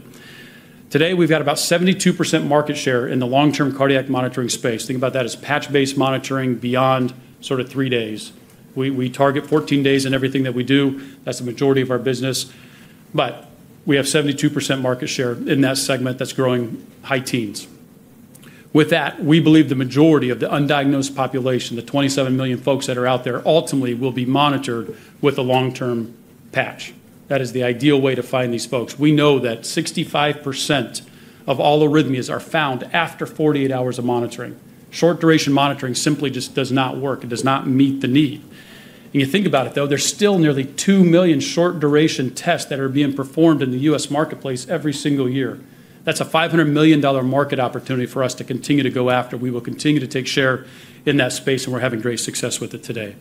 Today, we've got about 72% market share in the long-term cardiac monitoring space. Think about that as patch-based monitoring beyond sort of three days. We target 14 days in everything that we do. That's the majority of our business. But we have 72% market share in that segment that's growing high teens. With that, we believe the majority of the undiagnosed population, the 27 million folks that are out there, ultimately will be monitored with a long-term patch. That is the ideal way to find these folks. We know that 65% of all arrhythmias are found after 48 hours of monitoring. Short-duration monitoring simply just does not work. It does not meet the need, and you think about it, though, there's still nearly two million short-duration tests that are being performed in the U.S. marketplace every single year. That's a $500 million market opportunity for us to continue to go after. We will continue to take share in that space, and we're having great success with it today.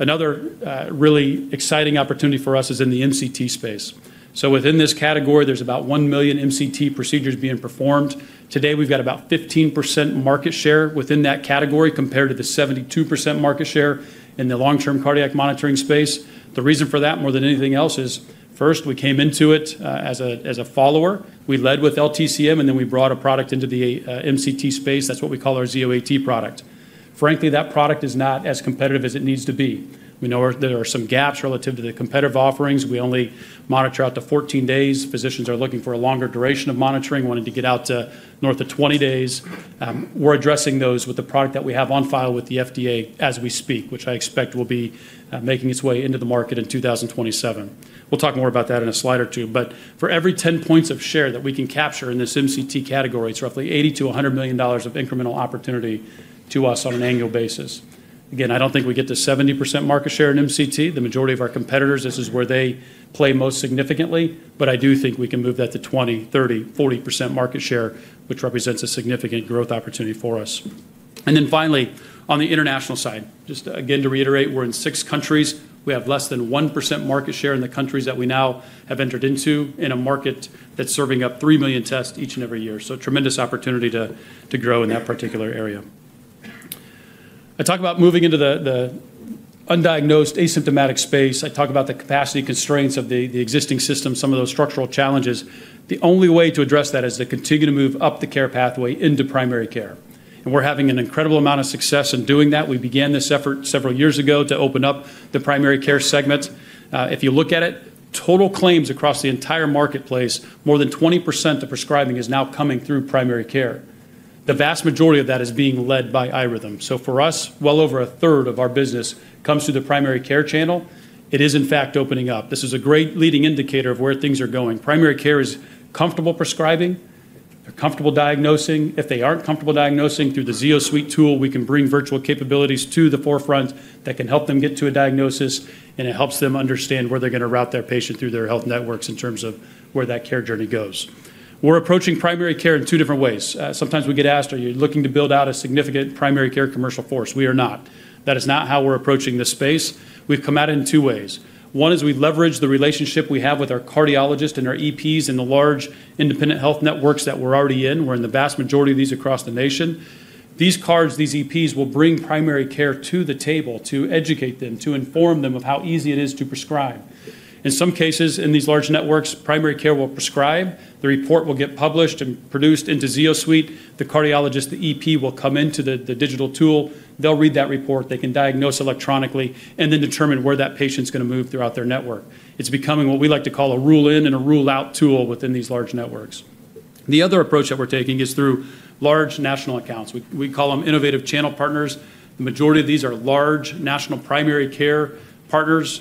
Another really exciting opportunity for us is in the MCT space, so within this category, there's about one million MCT procedures being performed. Today, we've got about 15% market share within that category compared to the 72% market share in the long-term cardiac monitoring space. The reason for that, more than anything else, is first, we came into it as a follower. We led with LTCM, and then we brought a product into the MCT space. That's what we call our Zio AT product. Frankly, that product is not as competitive as it needs to be. We know there are some gaps relative to the competitive offerings. We only monitor out to 14 days. Physicians are looking for a longer duration of monitoring, wanting to get out to north of 20 days. We're addressing those with the product that we have on file with the FDA as we speak, which I expect will be making its way into the market in 2027. We'll talk more about that in a slide or two. But for every 10 points of share that we can capture in this MCT category, it's roughly $80 million-$100 million of incremental opportunity to us on an annual basis. Again, I don't think we get to 70% market share in MCT. The majority of our competitors, this is where they play most significantly, but I do think we can move that to 20%, 30%, 40% market share, which represents a significant growth opportunity for us. And then finally, on the international side, just again to reiterate, we're in six countries. We have less than 1% market share in the countries that we now have entered into in a market that's serving up 3 million tests each and every year. So tremendous opportunity to grow in that particular area. I talk about moving into the undiagnosed, asymptomatic space. I talk about the capacity constraints of the existing system, some of those structural challenges. The only way to address that is to continue to move up the care pathway into primary care. We're having an incredible amount of success in doing that. We began this effort several years ago to open up the primary care segment. If you look at it, total claims across the entire marketplace, more than 20% of prescribing is now coming through primary care. The vast majority of that is being led by iRhythm. So for us, well over a third of our business comes through the primary care channel. It is, in fact, opening up. This is a great leading indicator of where things are going. Primary care is comfortable prescribing, comfortable diagnosing. If they aren't comfortable diagnosing, through the Zio Suite tool, we can bring virtual capabilities to the forefront that can help them get to a diagnosis, and it helps them understand where they're going to route their patient through their health networks in terms of where that care journey goes. We're approaching primary care in two different ways. Sometimes we get asked, "Are you looking to build out a significant primary care commercial force?" We are not. That is not how we're approaching this space. We've come at it in two ways. One is we leverage the relationship we have with our cardiologists and our EPs and the large independent health networks that we're already in. We're in the vast majority of these across the nation. These cardiologists, these EPs will bring primary care to the table, to educate them, to inform them of how easy it is to prescribe. In some cases, in these large networks, primary care will prescribe. The report will get published and produced into Zio Suite. The cardiologist, the EP will come into the digital tool. They'll read that report. They can diagnose electronically and then determine where that patient's going to move throughout their network. It's becoming what we like to call a rule-in and a rule-out tool within these large networks. The other approach that we're taking is through large national accounts. We call them innovative channel partners. The majority of these are large national primary care partners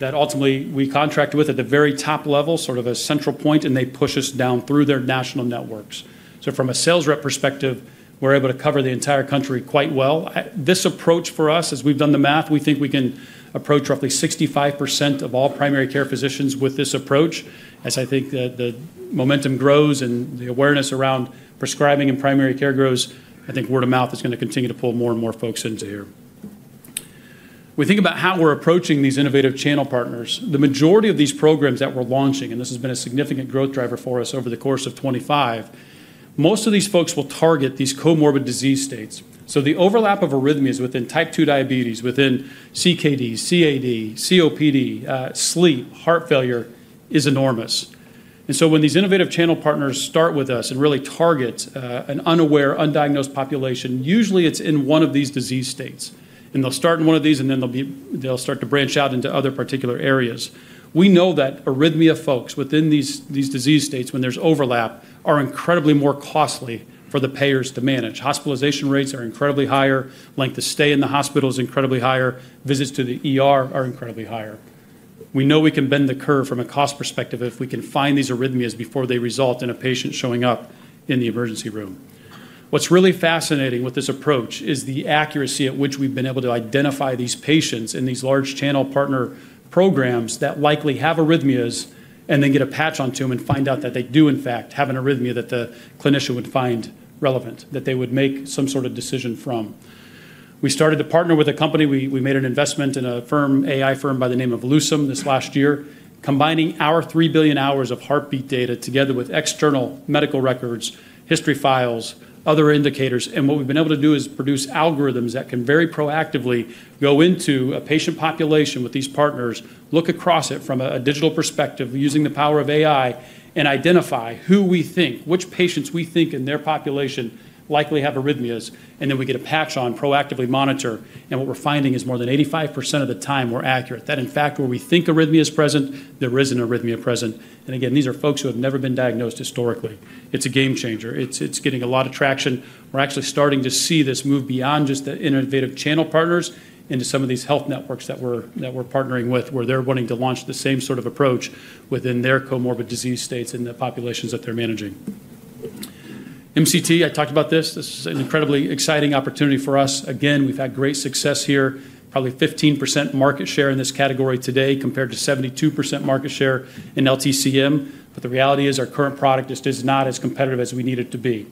that ultimately we contract with at the very top level, sort of a central point, and they push us down through their national networks. So from a sales rep perspective, we're able to cover the entire country quite well. This approach for us, as we've done the math, we think we can approach roughly 65% of all primary care physicians with this approach. As I think the momentum grows and the awareness around prescribing and primary care grows, I think word of mouth is going to continue to pull more and more folks into here. When we think about how we're approaching these innovative channel partners, the majority of these programs that we're launching, and this has been a significant growth driver for us over the course of 2025, most of these folks will target these comorbid disease states. So the overlap of arrhythmias within Type 2 diabetes, within CKD, CAD, COPD, sleep, heart failure is enormous, and so when these innovative channel partners start with us and really target an unaware, undiagnosed population, usually it's in one of these disease states, and they'll start in one of these, and then they'll start to branch out into other particular areas. We know that arrhythmia folks within these disease states, when there's overlap, are incredibly more costly for the payers to manage. Hospitalization rates are incredibly higher. Length of stay in the hospital is incredibly higher. Visits to the ER are incredibly higher. We know we can bend the curve from a cost perspective if we can find these arrhythmias before they result in a patient showing up in the emergency room. What's really fascinating with this approach is the accuracy at which we've been able to identify these patients in these large channel partner programs that likely have arrhythmias and then get a patch onto them and find out that they do, in fact, have an arrhythmia that the clinician would find relevant, that they would make some sort of decision from. We started to partner with a company. We made an investment in an AI firm by the name of Lucem this last year, combining our three billion hours of heartbeat data together with external medical records, history files, other indicators. What we've been able to do is produce algorithms that can very proactively go into a patient population with these partners, look across it from a digital perspective using the power of AI, and identify who we think, which patients we think in their population likely have arrhythmias, and then we get a patch on, proactively monitor. What we're finding is more than 85% of the time we're accurate. That, in fact, where we think arrhythmia is present, there is an arrhythmia present. Again, these are folks who have never been diagnosed historically. It's a game changer. It's getting a lot of traction. We're actually starting to see this move beyond just the innovative channel partners into some of these health networks that we're partnering with, where they're wanting to launch the same sort of approach within their comorbid disease states in the populations that they're managing. MCT. I talked about this. This is an incredibly exciting opportunity for us. Again, we've had great success here. Probably 15% market share in this category today compared to 72% market share in LTCM. But the reality is our current product just is not as competitive as we need it to be.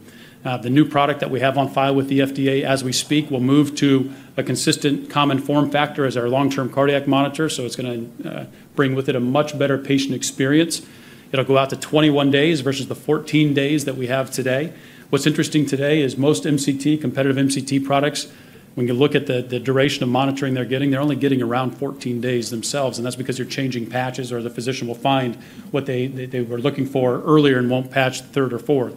The new product that we have on file with the FDA as we speak will move to a consistent common form factor as our long-term cardiac monitor. So it's going to bring with it a much better patient experience. It'll go out to 21 days versus the 14 days that we have today. What's interesting today is most MCT, competitive MCT products, when you look at the duration of monitoring they're getting, they're only getting around 14 days themselves. And that's because you're changing patches or the physician will find what they were looking for earlier and won't patch third or fourth.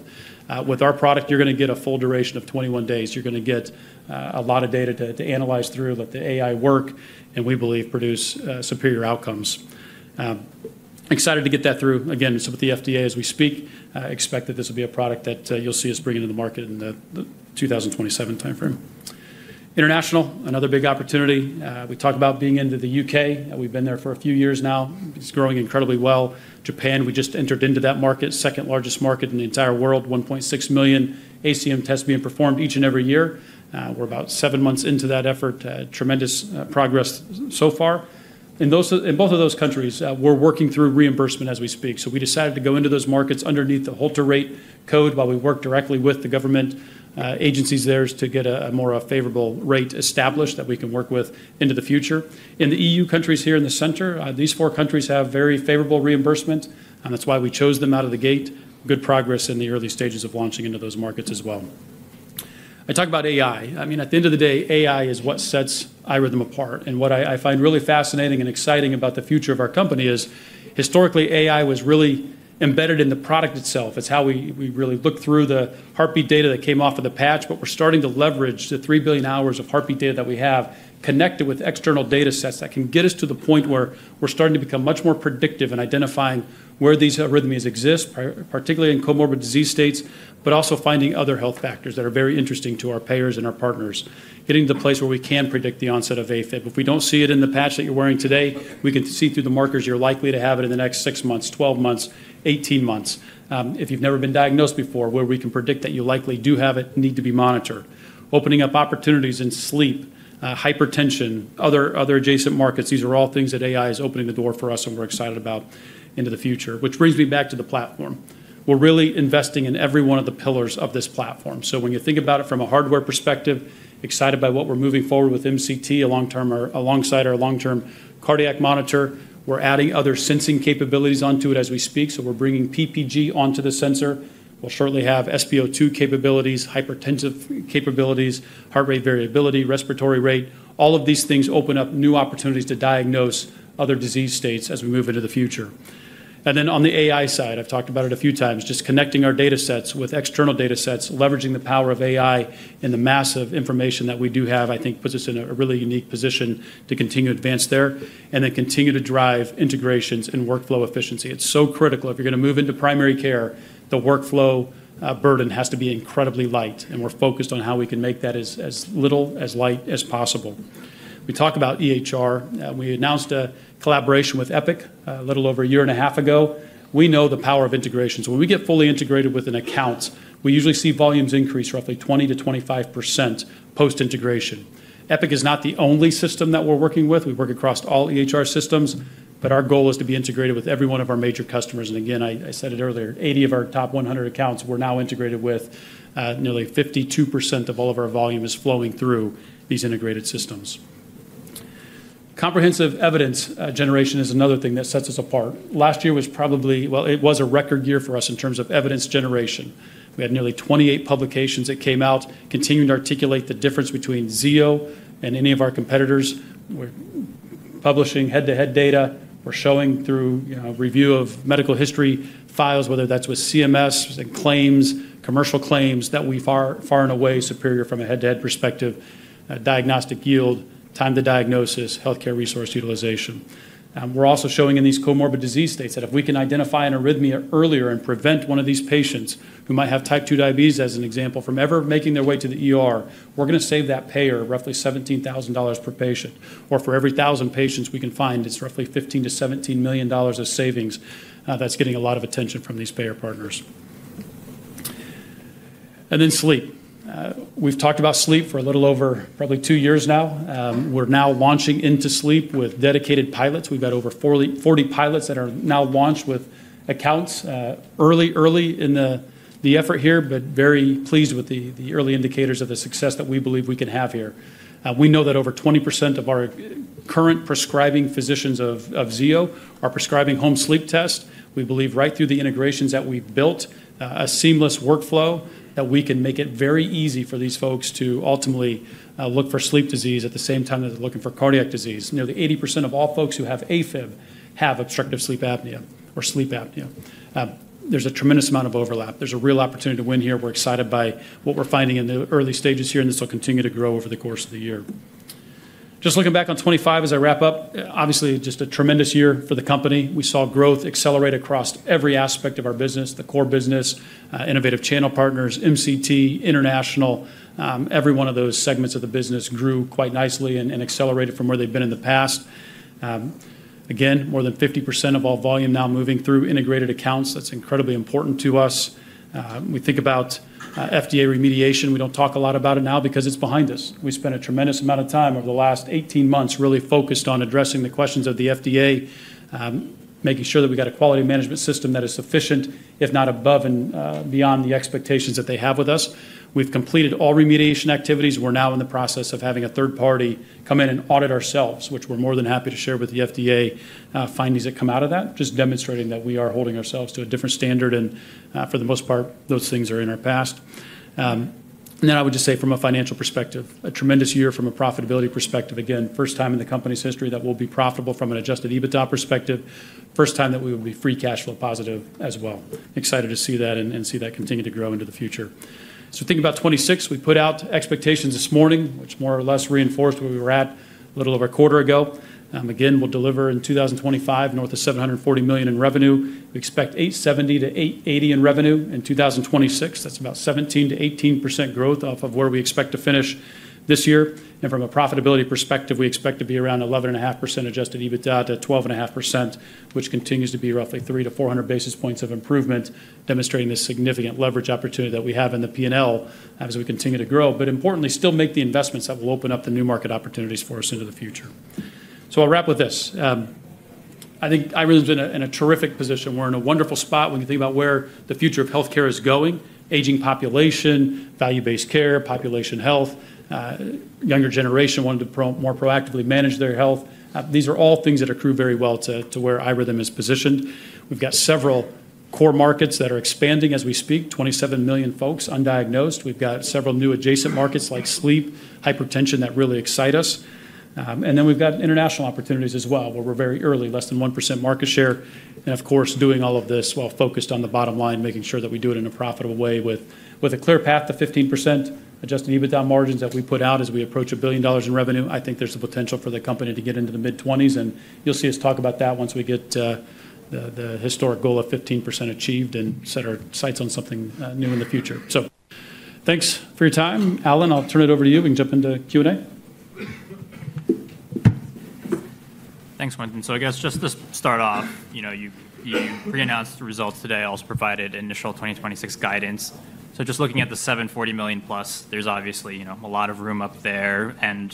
With our product, you're going to get a full duration of 21 days. You're going to get a lot of data to analyze through that the AI work and we believe produce superior outcomes. Excited to get that through. Again, so with the FDA as we speak, expect that this will be a product that you'll see us bringing to the market in the 2027 timeframe. International, another big opportunity. We talk about being into the UK We've been there for a few years now. It's growing incredibly well. Japan, we just entered into that market, second largest market in the entire world, 1.6 million ACM tests being performed each and every year. We're about seven months into that effort. Tremendous progress so far. In both of those countries, we're working through reimbursement as we speak. So we decided to go into those markets underneath the Holter rate code while we work directly with the government agencies there to get a more favorable rate established that we can work with into the future. In the EU countries here in the center, these four countries have very favorable reimbursement. That's why we chose them out of the gate. Good progress in the early stages of launching into those markets as well. I talk about AI. I mean, at the end of the day, AI is what sets iRhythm apart. What I find really fascinating and exciting about the future of our company is historically AI was really embedded in the product itself. It's how we really look through the heartbeat data that came off of the patch. But we're starting to leverage the three billion hours of heartbeat data that we have connected with external data sets that can get us to the point where we're starting to become much more predictive in identifying where these arrhythmias exist, particularly in comorbid disease states, but also finding other health factors that are very interesting to our payers and our partners. Getting to the place where we can predict the onset of AFib. If we don't see it in the patch that you're wearing today, we can see through the markers you're likely to have it in the next six months, 12 months, 18 months. If you've never been diagnosed before, where we can predict that you likely do have it, need to be monitored. Opening up opportunities in sleep, hypertension, other adjacent markets. These are all things that AI is opening the door for us and we're excited about into the future. Which brings me back to the platform. We're really investing in every one of the pillars of this platform. So when you think about it from a hardware perspective, excited by what we're moving forward with MCT alongside our long-term cardiac monitor. We're adding other sensing capabilities onto it as we speak. So we're bringing PPG onto the sensor. We'll shortly have SpO2 capabilities, hypertensive capabilities, heart rate variability, respiratory rate. All of these things open up new opportunities to diagnose other disease states as we move into the future. Then on the AI side, I've talked about it a few times. Just connecting our data sets with external data sets, leveraging the power of AI and the massive information that we do have, I think puts us in a really unique position to continue to advance there and then continue to drive integrations and workflow efficiency. It's so critical. If you're going to move into primary care, the workflow burden has to be incredibly light. We're focused on how we can make that as little, as light as possible. We talk about EHR. We announced a collaboration with Epic a little over a year and a half ago. We know the power of integration. So when we get fully integrated with an account, we usually see volumes increase roughly 20%-25% post-integration. Epic is not the only system that we're working with. We work across all EHR systems, but our goal is to be integrated with every one of our major customers. And again, I said it earlier, 80 of our top 100 accounts we're now integrated with, nearly 52% of all of our volume is flowing through these integrated systems. Comprehensive evidence generation is another thing that sets us apart. Last year was probably, well, it was a record year for us in terms of evidence generation. We had nearly 28 publications that came out, continuing to articulate the difference between Zio and any of our competitors. We're publishing head-to-head data. We're showing through review of medical history files, whether that's with CMS and claims, commercial claims that we've far and away superior from a head-to-head perspective, diagnostic yield, time to diagnosis, healthcare resource utilization. We're also showing in these comorbid disease states that if we can identify an arrhythmia earlier and prevent one of these patients who might have Type 2 diabetes as an example from ever making their way to the ER, we're going to save that payer roughly $17,000 per patient. Or for every 1,000 patients we can find, it's roughly $15 million-$17 million of savings that's getting a lot of attention from these payer partners, and then sleep. We've talked about sleep for a little over probably two years now. We're now launching into sleep with dedicated pilots. We've got over 40 pilots that are now launched with accounts early, early in the effort here, but very pleased with the early indicators of the success that we believe we can have here. We know that over 20% of our current prescribing physicians of Zio are prescribing home sleep tests. We believe right through the integrations that we've built, a seamless workflow that we can make it very easy for these folks to ultimately look for sleep disease at the same time that they're looking for cardiac disease. Nearly 80% of all folks who have AFib have obstructive sleep apnea or sleep apnea. There's a tremendous amount of overlap. There's a real opportunity to win here. We're excited by what we're finding in the early stages here, and this will continue to grow over the course of the year. Just looking back on 25 as I wrap up, obviously just a tremendous year for the company. We saw growth accelerate across every aspect of our business, the core business, innovative channel partners, MCT, international. Every one of those segments of the business grew quite nicely and accelerated from where they've been in the past. Again, more than 50% of all volume now moving through integrated accounts. That's incredibly important to us. We think about FDA remediation. We don't talk a lot about it now because it's behind us. We spent a tremendous amount of time over the last 18 months really focused on addressing the questions of the FDA, making sure that we got a quality management system that is sufficient, if not above and beyond the expectations that they have with us. We've completed all remediation activities. We're now in the process of having a third party come in and audit ourselves, which we're more than happy to share with the FDA findings that come out of that, just demonstrating that we are holding ourselves to a different standard, and for the most part, those things are in our past. Then I would just say from a financial perspective, a tremendous year from a profitability perspective. Again, first time in the company's history that we'll be profitable from an adjusted EBITDA perspective. First time that we will be free cash flow positive as well. Excited to see that and see that continue to grow into the future. Thinking about 26, we put out expectations this morning, which more or less reinforced where we were at a little over a quarter ago. Again, we'll deliver in 2025 north of $740 million in revenue. We expect $870 million to $880 million in revenue in 2026. That's about 17%-18% growth off of where we expect to finish this year. From a profitability perspective, we expect to be around 11.5% adjusted EBITDA to 12.5%, which continues to be roughly 300-400 basis points of improvement, demonstrating the significant leverage opportunity that we have in the P&L as we continue to grow. Importantly, still make the investments that will open up the new market opportunities for us into the future. I'll wrap with this. I think iRhythm's in a terrific position. We're in a wonderful spot when you think about where the future of healthcare is going. Aging population, value-based care, population health, younger generation wanting to more proactively manage their health. These are all things that accrue very well to where iRhythm is positioned. We've got several core markets that are expanding as we speak. 27 million folks undiagnosed. We've got several new adjacent markets like sleep, hypertension that really excite us. And then we've got international opportunities as well, where we're very early, less than 1% market share. And of course, doing all of this while focused on the bottom line, making sure that we do it in a profitable way with a clear path to 15% adjusted EBITDA margins that we put out as we approach $1 billion in revenue. I think there's a potential for the company to get into the mid-20s. And you'll see us talk about that once we get the historic goal of 15% achieved and set our sights on something new in the future. So thanks for your time. Allen, I'll turn it over to you. We can jump into Q&A. Thanks, Quentin. So I guess just to start off, you pre-announced the results today. I also provided initial 2026 guidance. So just looking at the $740 million plus, there's obviously a lot of room up there. And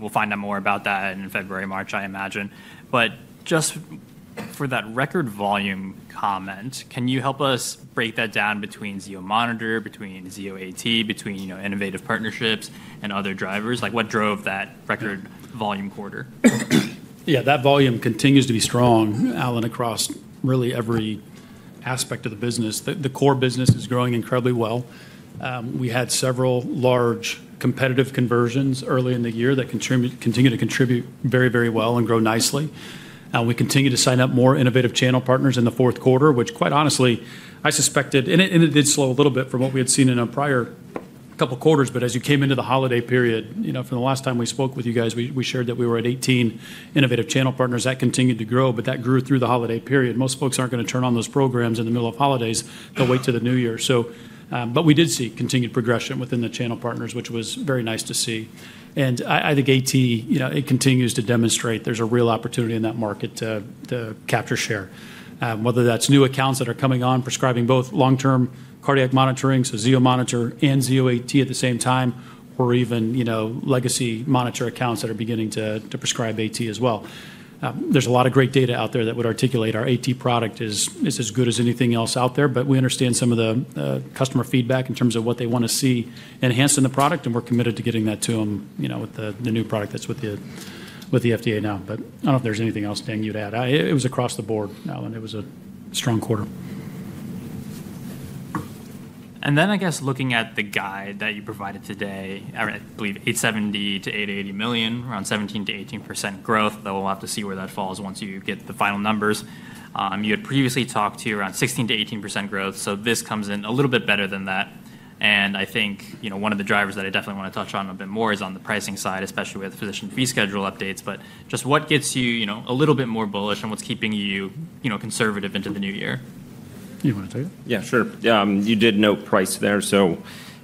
we'll find out more about that in February, March, I imagine. But just for that record volume comment, can you help us break that down between Zio Monitor, between Zio AT, between innovative partnerships and other drivers? What drove that record volume quarter? Yeah, that volume continues to be strong, Allen, across really every aspect of the business. The core business is growing incredibly well. We had several large competitive conversions early in the year that continue to contribute very, very well and grow nicely. We continue to sign up more innovative channel partners in the fourth quarter, which quite honestly, I suspected, and it did slow a little bit from what we had seen in a prior couple of quarters. But as you came into the holiday period, from the last time we spoke with you guys, we shared that we were at 18 innovative channel partners. That continued to grow, but that grew through the holiday period. Most folks aren't going to turn on those programs in the middle of holidays. They'll wait till the new year. But we did see continued progression within the channel partners, which was very nice to see. And I think AT, it continues to demonstrate there's a real opportunity in that market to capture share. Whether that's new accounts that are coming on, prescribing both long-term cardiac monitoring, so Zio Monitor and Zio AT at the same time, or even legacy monitor accounts that are beginning to prescribe AT as well. There's a lot of great data out there that would articulate our AT product is as good as anything else out there. But we understand some of the customer feedback in terms of what they want to see enhanced in the product. And we're committed to getting that to them with the new product that's with the FDA now. But I don't know if there's anything else, Dan, you'd add. It was across the board, Allen. It was a strong quarter. And then I guess looking at the guide that you provided today, I believe $870 million-$880 million, around 17%-18% growth. Though we'll have to see where that falls once you get the final numbers. You had previously talked to around 16%-18% growth. So this comes in a little bit better than that. And I think one of the drivers that I definitely want to touch on a bit more is on the pricing side, especially with physician fee schedule updates. But just what gets you a little bit more bullish and what's keeping you conservative into the new year? You want to take it? Yeah, sure. You did note price there. So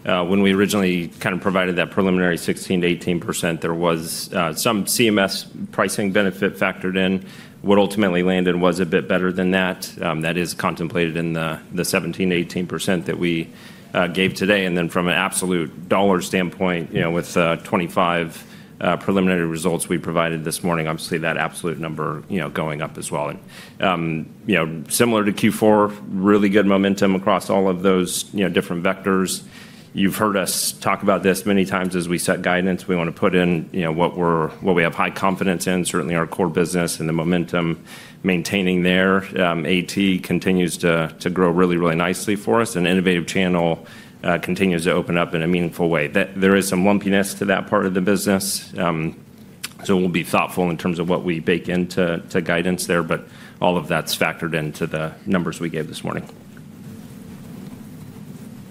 when we originally kind of provided that preliminary 16%-18%, there was some CMS pricing benefit factored in. What ultimately landed was a bit better than that. That is contemplated in the 17%-18% that we gave today. And then from an absolute dollar standpoint, with Q1 preliminary results we provided this morning, obviously that absolute number going up as well. Similar to Q4, really good momentum across all of those different vectors. You've heard us talk about this many times as we set guidance. We want to put in what we have high confidence in, certainly our core business and the momentum maintaining there. AT continues to grow really, really nicely for us. And innovative channel continues to open up in a meaningful way. There is some lumpiness to that part of the business. So we'll be thoughtful in terms of what we bake into guidance there. But all of that's factored into the numbers we gave this morning.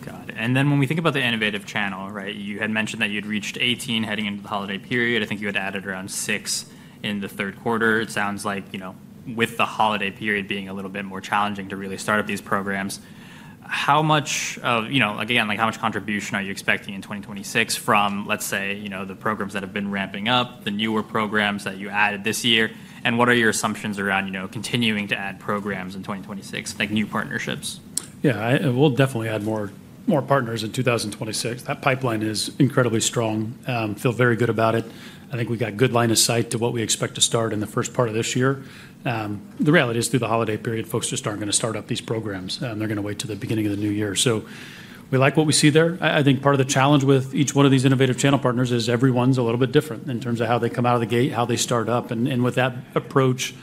Got it. And then when we think about the innovative channel, you had mentioned that you'd reached 18 heading into the holiday period. I think you had added around six in the third quarter. It sounds like with the holiday period being a little bit more challenging to really start up these programs. How much, again, how much contribution are you expecting in 2026 from, let's say, the programs that have been ramping up, the newer programs that you added this year? And what are your assumptions around continuing to add programs in 2026, like new partnerships? Yeah, we'll definitely add more partners in 2026. That pipeline is incredibly strong. Feel very good about it. I think we've got a good line of sight to what we expect to start in the first part of this year. The reality is through the holiday period, folks just aren't going to start up these programs. They're going to wait to the beginning of the new year. So we like what we see there. I think part of the challenge with each one of these innovative channel partners is everyone's a little bit different in terms of how they come out of the gate, how they start up. And with that approach,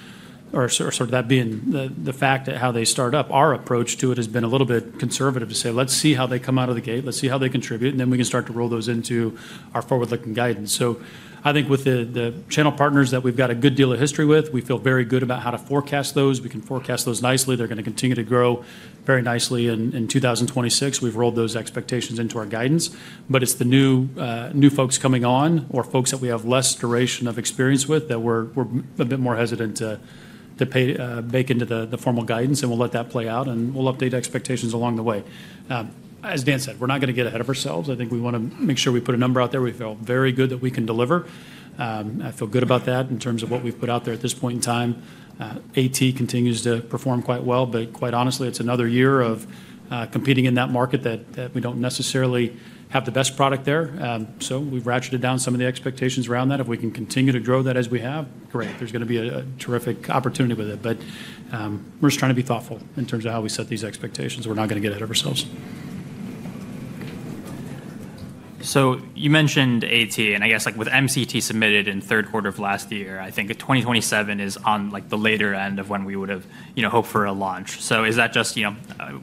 or sort of that being the fact that how they start up, our approach to it has been a little bit conservative to say, let's see how they come out of the gate, let's see how they contribute, and then we can start to roll those into our forward-looking guidance. So I think with the channel partners that we've got a good deal of history with, we feel very good about how to forecast those. We can forecast those nicely. They're going to continue to grow very nicely in 2026. We've rolled those expectations into our guidance. But it's the new folks coming on or folks that we have less duration of experience with that we're a bit more hesitant to bake into the formal guidance. And we'll let that play out. And we'll update expectations along the way. As Dan said, we're not going to get ahead of ourselves. I think we want to make sure we put a number out there. We feel very good that we can deliver. I feel good about that in terms of what we've put out there at this point in time. AT continues to perform quite well. But quite honestly, it's another year of competing in that market that we don't necessarily have the best product there. So we've ratcheted down some of the expectations around that. If we can continue to grow that as we have, great. There's going to be a terrific opportunity with it. But we're just trying to be thoughtful in terms of how we set these expectations. We're not going to get ahead of ourselves. So you mentioned AT. And I guess with MCT submitted in third quarter of last year, I think 2027 is on the later end of when we would have hoped for a launch. So is that just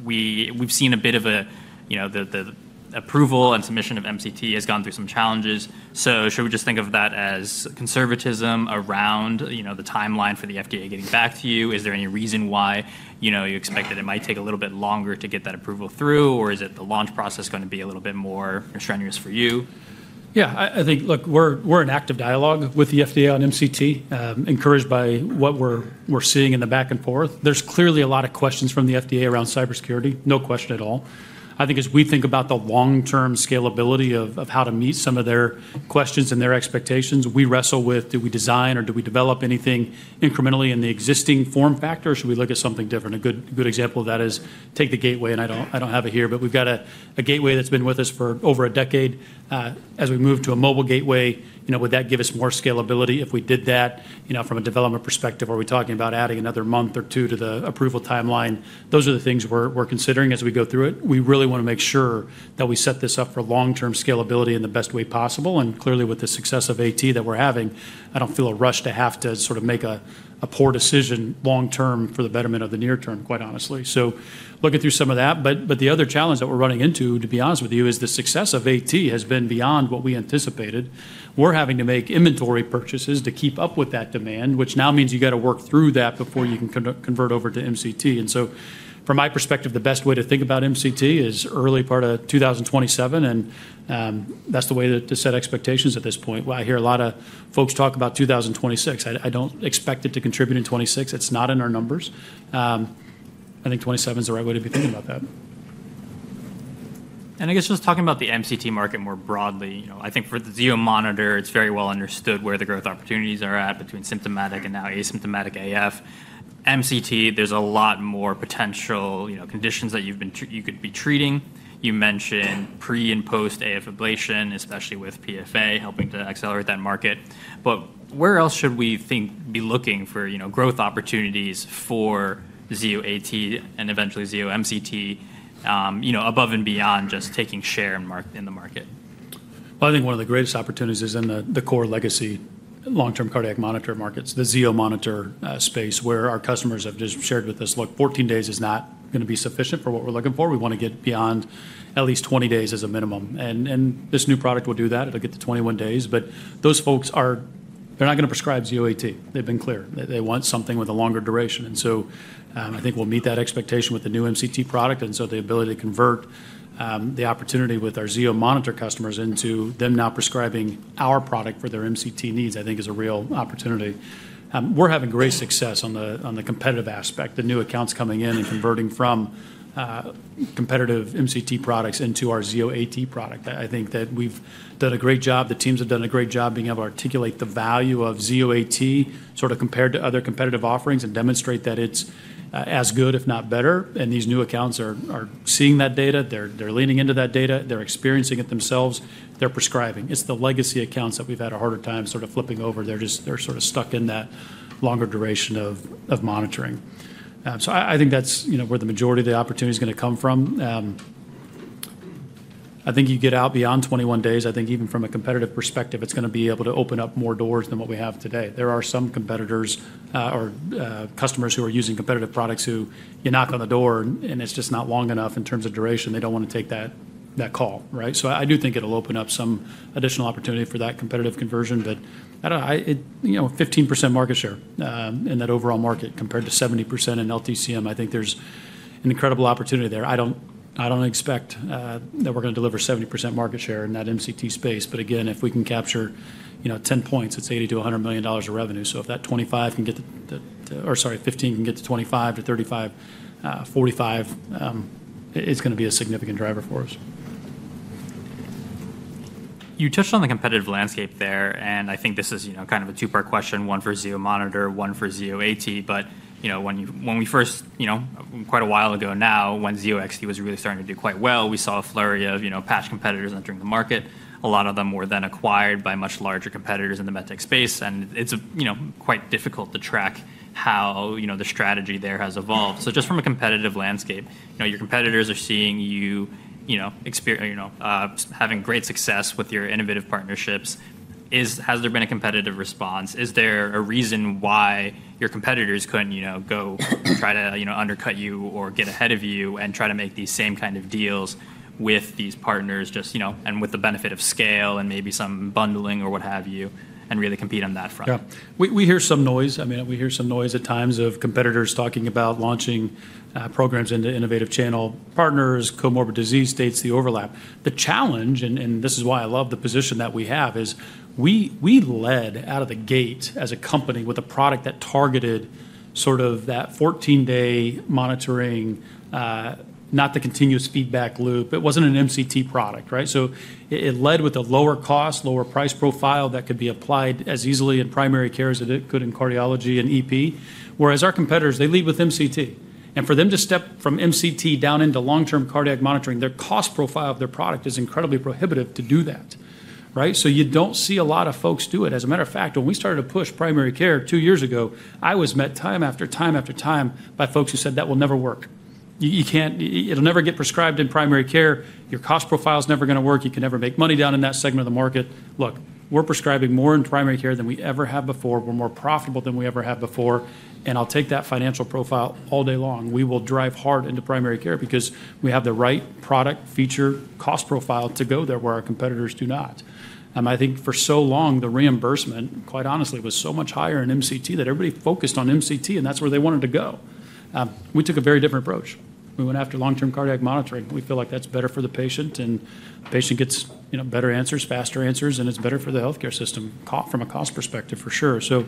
we've seen a bit of the approval and submission of MCT has gone through some challenges? So should we just think of that as conservatism around the timeline for the FDA getting back to you? Is there any reason why you expect that it might take a little bit longer to get that approval through? Or is it the launch process going to be a little bit more strenuous for you? Yeah, I think, look, we're in active dialogue with the FDA on MCT, encouraged by what we're seeing in the back and forth. There's clearly a lot of questions from the FDA around cybersecurity. No question at all. I think as we think about the long-term scalability of how to meet some of their questions and their expectations, we wrestle with, do we design or do we develop anything incrementally in the existing form factor or should we look at something different? A good example of that is take the gateway. And I don't have it here, but we've got a gateway that's been with us for over a decade. As we move to a mobile gateway, would that give us more scalability if we did that from a development perspective? Are we talking about adding another month or two to the approval timeline? Those are the things we're considering as we go through it. We really want to make sure that we set this up for long-term scalability in the best way possible, and clearly, with the success of AT that we're having, I don't feel a rush to have to sort of make a poor decision long-term for the betterment of the near term, quite honestly, so looking through some of that, but the other challenge that we're running into, to be honest with you, is the success of AT has been beyond what we anticipated. We're having to make inventory purchases to keep up with that demand, which now means you got to work through that before you can convert over to MCT, and so from my perspective, the best way to think about MCT is early part of 2027, and that's the way to set expectations at this point. I hear a lot of folks talk about 2026. I don't expect it to contribute in 2026. It's not in our numbers. I think 2027 is the right way to be thinking about that. I guess just talking about the MCT market more broadly, I think for the Zio Monitor, it's very well understood where the growth opportunities are at between symptomatic and now asymptomatic AF. MCT, there's a lot more potential conditions that you could be treating. You mentioned pre and post AF ablation, especially with PFA helping to accelerate that market. But where else should we think be looking for growth opportunities for Zio AT and eventually Zio MCT above and beyond just taking share in the market? I think one of the greatest opportunities is in the core legacy long-term cardiac monitor markets, the Zio Monitor space, where our customers have just shared with us, look, 14 days is not going to be sufficient for what we're looking for. We want to get beyond at least 20 days as a minimum. And this new product will do that. It'll get to 21 days. But those folks, they're not going to prescribe Zio AT. They've been clear. They want something with a longer duration. And so I think we'll meet that expectation with the new MCT product. And so the ability to convert the opportunity with our Zio Monitor customers into them now prescribing our product for their MCT needs, I think is a real opportunity. We're having great success on the competitive aspect. The new accounts coming in and converting from competitive MCT products into our Zio AT product. I think that we've done a great job. The teams have done a great job being able to articulate the value of Zio AT sort of compared to other competitive offerings and demonstrate that it's as good, if not better, and these new accounts are seeing that data. They're leaning into that data. They're experiencing it themselves. They're prescribing. It's the legacy accounts that we've had a harder time sort of flipping over. They're sort of stuck in that longer duration of monitoring, so I think that's where the majority of the opportunity is going to come from. I think you get out beyond 21 days. I think even from a competitive perspective, it's going to be able to open up more doors than what we have today. There are some competitors or customers who are using competitive products who you knock on the door and it's just not long enough in terms of duration. They don't want to take that call. So I do think it'll open up some additional opportunity for that competitive conversion. But 15% market share in that overall market compared to 70% in LTCM, I think there's an incredible opportunity there. I don't expect that we're going to deliver 70% market share in that MCT space. But again, if we can capture 10 points, it's $80 million-$100 million of revenue. So if that 25 can get to, or sorry, 15 can get to 25%-35%, 45%, it's going to be a significant driver for us. You touched on the competitive landscape there. And I think this is kind of a two-part question, one for Zio Monitor, one for Zio AT. But when we first, quite a while ago now, when Zio XT was really starting to do quite well, we saw a flurry of patch competitors entering the market. A lot of them were then acquired by much larger competitors in the med tech space. And it's quite difficult to track how the strategy there has evolved. So just from a competitive landscape, your competitors are seeing you having great success with your innovative partnerships. Has there been a competitive response? Is there a reason why your competitors couldn't go try to undercut you or get ahead of you and try to make these same kind of deals with these partners and with the benefit of scale and maybe some bundling or what have you and really compete on that front? Yeah. We hear some noise. I mean, we hear some noise at times of competitors talking about launching programs into innovative channel partners, comorbid disease states, the overlap. The challenge, and this is why I love the position that we have, is we led out of the gate as a company with a product that targeted sort of that 14-day monitoring, not the continuous feedback loop. It wasn't an MCT product. So it led with a lower cost, lower price profile that could be applied as easily in primary care as it could in cardiology and EP. Whereas our competitors, they lead with MCT. And for them to step from MCT down into long-term cardiac monitoring, their cost profile of their product is incredibly prohibitive to do that. So you don't see a lot of folks do it. As a matter of fact, when we started to push primary care two years ago, I was met time after time after time by folks who said, "That will never work. It'll never get prescribed in primary care. Your cost profile is never going to work. You can never make money down in that segment of the market." Look, we're prescribing more in primary care than we ever have before. We're more profitable than we ever have before. And I'll take that financial profile all day long. We will drive hard into primary care because we have the right product, feature, cost profile to go there where our competitors do not. I think for so long, the reimbursement, quite honestly, was so much higher in MCT that everybody focused on MCT and that's where they wanted to go. We took a very different approach. We went after long-term cardiac monitoring. We feel like that's better for the patient, and the patient gets better answers, faster answers, and it's better for the healthcare system from a cost perspective, for sure, so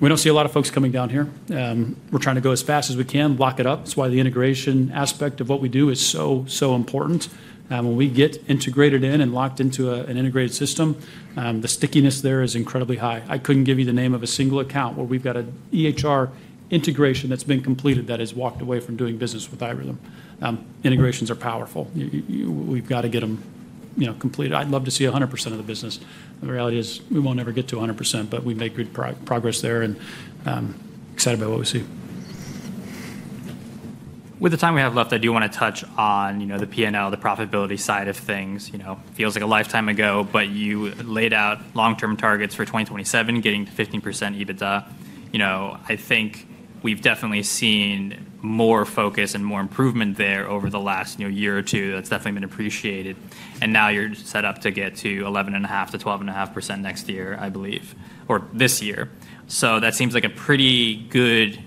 we don't see a lot of folks coming down here. We're trying to go as fast as we can, lock it up. That's why the integration aspect of what we do is so, so important. When we get integrated in and locked into an integrated system, the stickiness there is incredibly high. I couldn't give you the name of a single account where we've got an EHR integration that's been completed that has walked away from doing business with iRhythm. Integrations are powerful. We've got to get them completed. I'd love to see 100% of the business. The reality is we won't ever get to 100%, but we make good progress there and excited about what we see. With the time we have left, I do want to touch on the P&L, the profitability side of things. Feels like a lifetime ago, but you laid out long-term targets for 2027, getting to 15% EBITDA. I think we've definitely seen more focus and more improvement there over the last year or two. That's definitely been appreciated, and now you're set up to get to 11.5%-12.5% next year, I believe, or this year. So that seems like a pretty good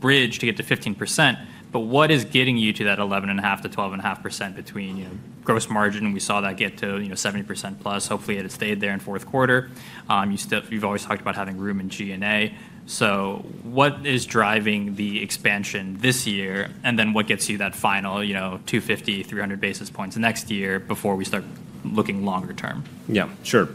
bridge to get to 15%. But what is getting you to that 11.5%-12.5% between gross margin? We saw that get to 70% plus. Hopefully, it had stayed there in fourth quarter. You've always talked about having room in G&A. So what is driving the expansion this year, and then what gets you that final 250, 300 basis points next year before we start looking longer term? Yeah, sure.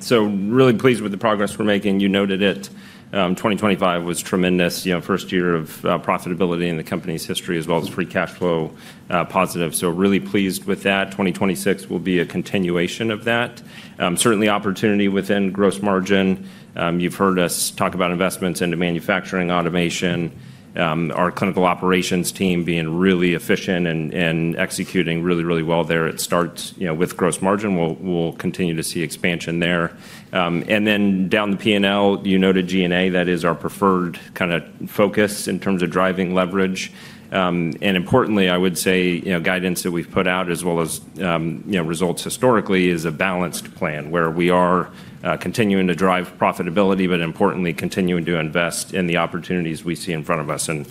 So really pleased with the progress we're making. You noted it. 2025 was tremendous. First year of profitability in the company's history, as well as free cash flow positive. So really pleased with that. 2026 will be a continuation of that. Certainly opportunity within gross margin. You've heard us talk about investments into manufacturing automation. Our clinical operations team being really efficient and executing really, really well there. It starts with gross margin. We'll continue to see expansion there. And then down the P&L, you noted G&A. That is our preferred kind of focus in terms of driving leverage. And importantly, I would say guidance that we've put out, as well as results historically, is a balanced plan where we are continuing to drive profitability, but importantly, continuing to invest in the opportunities we see in front of us. And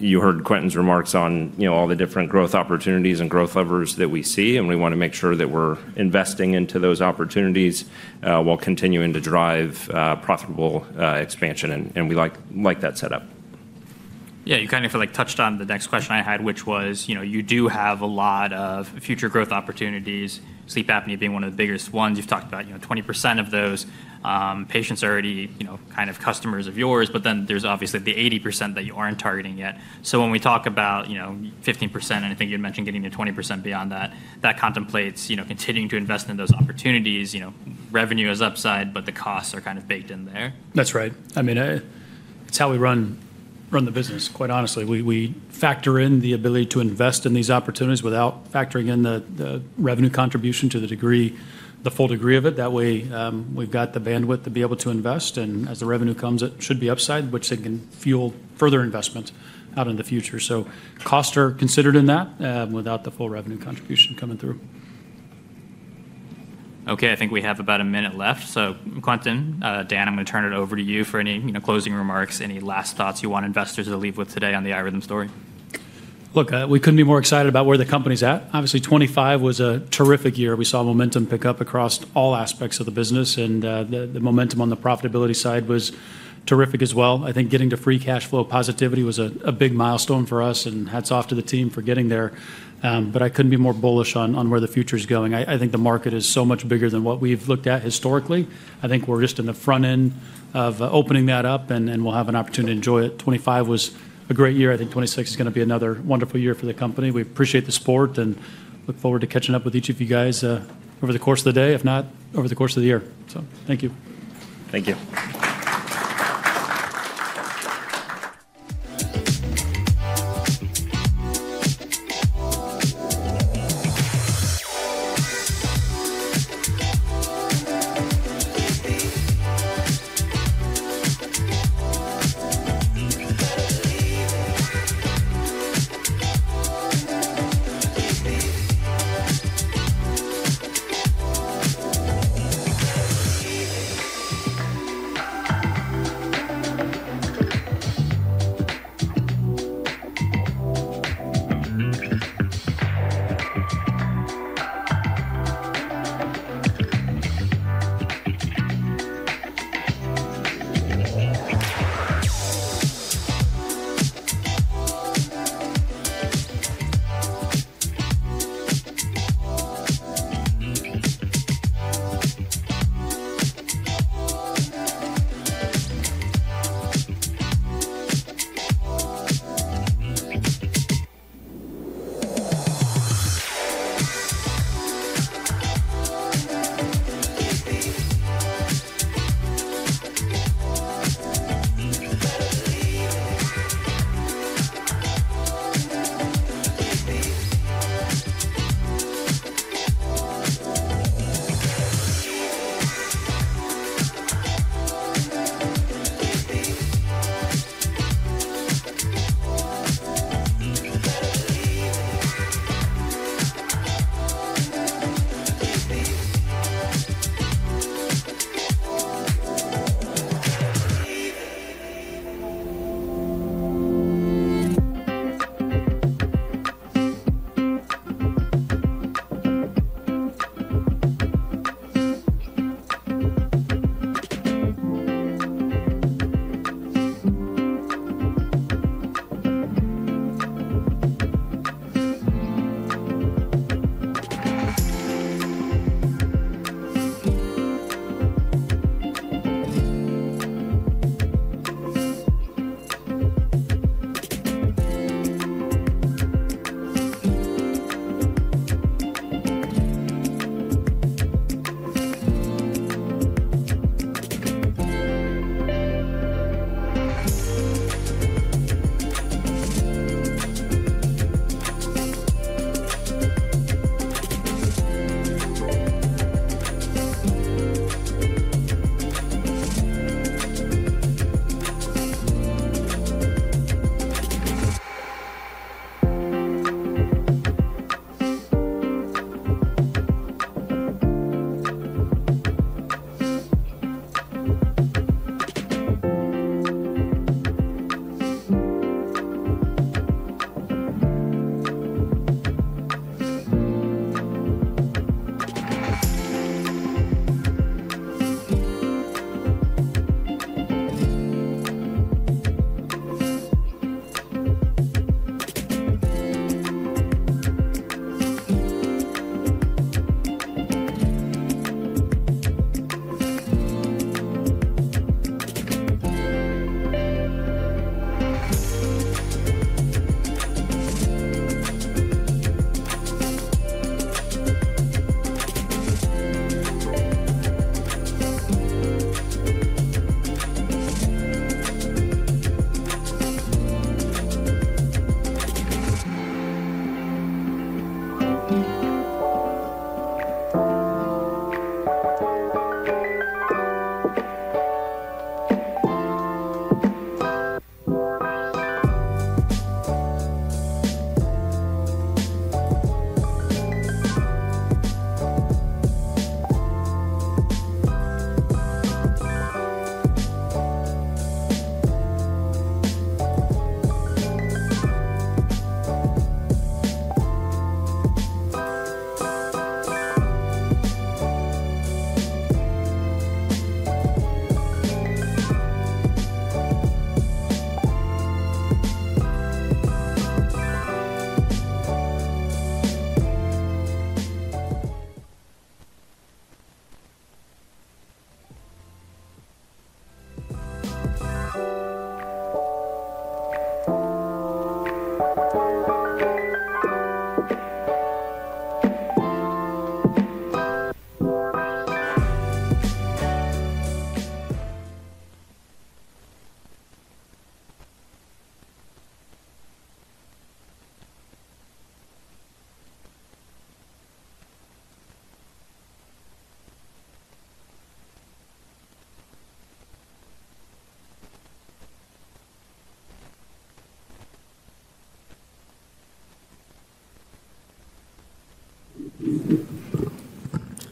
you heard Quentin's remarks on all the different growth opportunities and growth levers that we see. And we want to make sure that we're investing into those opportunities while continuing to drive profitable expansion. And we like that setup. Yeah, you kind of touched on the next question I had, which was you do have a lot of future growth opportunities, sleep apnea being one of the biggest ones. You've talked about 20% of those. Patients are already kind of customers of yours. But then there's obviously the 80% that you aren't targeting yet. So when we talk about 15%, and I think you had mentioned getting to 20% beyond that, that contemplates continuing to invest in those opportunities. Revenue is upside, but the costs are kind of baked in there. That's right. I mean, it's how we run the business, quite honestly. We factor in the ability to invest in these opportunities without factoring in the revenue contribution to the full degree of it. That way, we've got the bandwidth to be able to invest, and as the revenue comes, it should be upside, which can fuel further investment out in the future, so costs are considered in that without the full revenue contribution coming through. Okay, I think we have about a minute left. Quentin, Dan, I'm going to turn it over to you for any closing remarks, any last thoughts you want investors to leave with today on the iRhythm story. Look, we couldn't be more excited about where the company's at. Obviously, 2025 was a terrific year. We saw momentum pick up across all aspects of the business, and the momentum on the profitability side was terrific as well. I think getting to free cash flow positivity was a big milestone for us, and hats off to the team for getting there, but I couldn't be more bullish on where the future is going. I think the market is so much bigger than what we've looked at historically. I think we're just in the front end of opening that up, and we'll have an opportunity to enjoy it. 2025 was a great year. I think 2026 is going to be another wonderful year for the company. We appreciate the support and look forward to catching up with each of you guys over the course of the day, if not over the course of the year. So thank you. Thank you.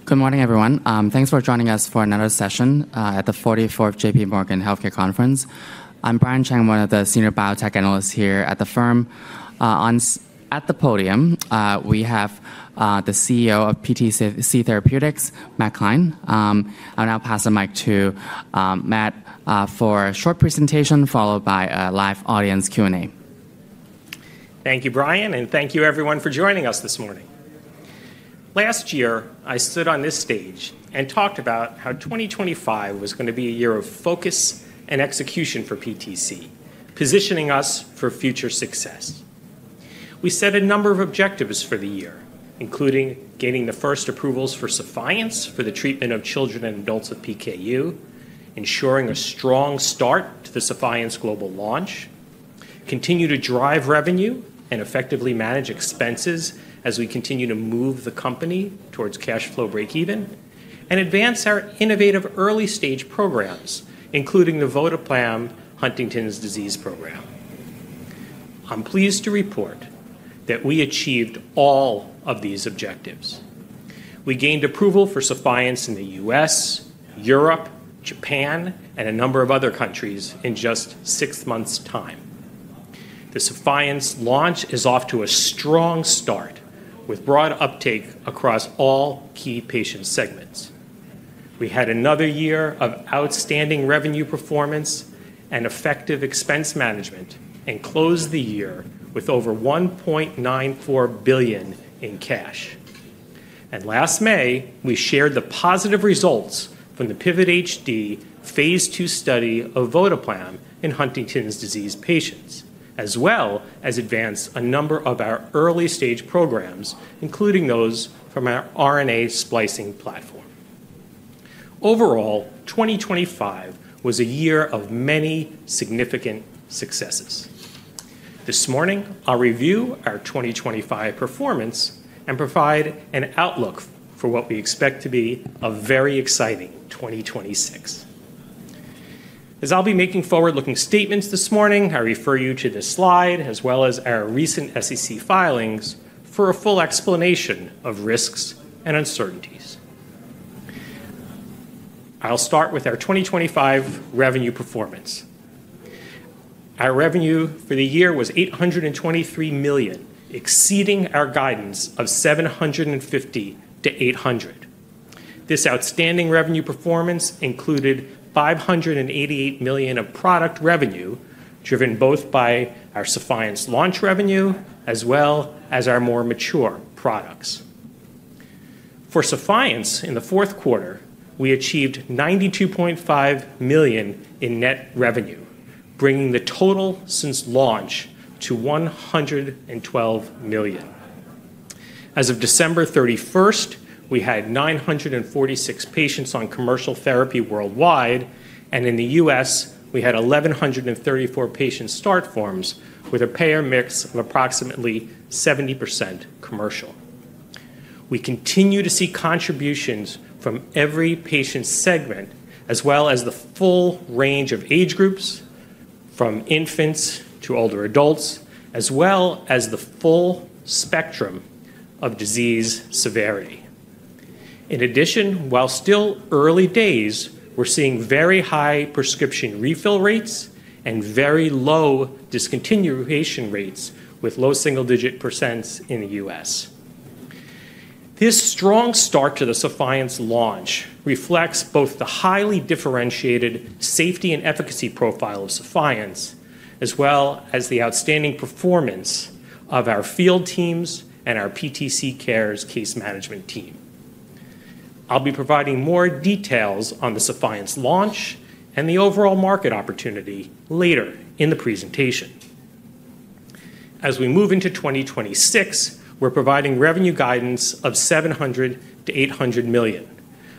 Good morning, everyone. Thanks for joining us for another session at the 44th J.P. Morgan Healthcare Conference. I'm Brian Cheng, one of the senior biotech analysts here at the firm. At the podium, we have the CEO of PTC Therapeutics, Matt Klein. I'll now pass the mic to Matt for a short presentation followed by a live audience Q&A. Thank you, Brian. And thank you, everyone, for joining us this morning. Last year, I stood on this stage and talked about how 2025 was going to be a year of focus and execution for PTC, positioning us for future success. We set a number of objectives for the year, including gaining the first approvals for Sephience for the treatment of children and adults with PKU, ensuring a strong start to the Sephience global launch, continue to drive revenue, and effectively manage expenses as we continue to move the company towards cash flow breakeven, and advance our innovative early-stage programs, including the PTC518 Huntington's Disease Program. I'm pleased to report that we achieved all of these objectives. We gained approval for Sephience in the U.S., Europe, Japan, and a number of other countries in just six months' time. The Sephience launch is off to a strong start with broad uptake across all key patient segments. We had another year of outstanding revenue performance and effective expense management and closed the year with over $1.94 billion in cash. Last May, we shared the positive results from the PIVOT-HD phase II study of PTC518 in Huntington's Disease patients, as well as advanced a number of our early-stage programs, including those from our RNA splicing platform. Overall, 2025 was a year of many significant successes. This morning, I'll review our 2025 performance and provide an outlook for what we expect to be a very exciting 2026. As I'll be making forward-looking statements this morning, I refer you to this slide, as well as our recent SEC filings for a full explanation of risks and uncertainties. I'll start with our 2025 revenue performance. Our revenue for the year was $823 million, exceeding our guidance of $750 million-$800 million. This outstanding revenue performance included $588 million of product revenue, driven both by our Sephience launch revenue as well as our more mature products. For Sephience, in the fourth quarter, we achieved $92.5 million in net revenue, bringing the total since launch to $112 million. As of December 31st, we had 946 patients on commercial therapy worldwide. And in the U.S., we had 1,134 patient start forms with a payer mix of approximately 70% commercial. We continue to see contributions from every patient segment, as well as the full range of age groups, from infants to older adults, as well as the full spectrum of disease severity. In addition, while still early days, we're seeing very high prescription refill rates and very low discontinuation rates, with low single-digit percent in the U.S., This strong start to the Sephience launch reflects both the highly differentiated safety and efficacy profile of Sephience, as well as the outstanding performance of our field teams and our PTC Cares case management team. I'll be providing more details on the Sephience launch and the overall market opportunity later in the presentation. As we move into 2026, we're providing revenue guidance of $700 million-$800 million.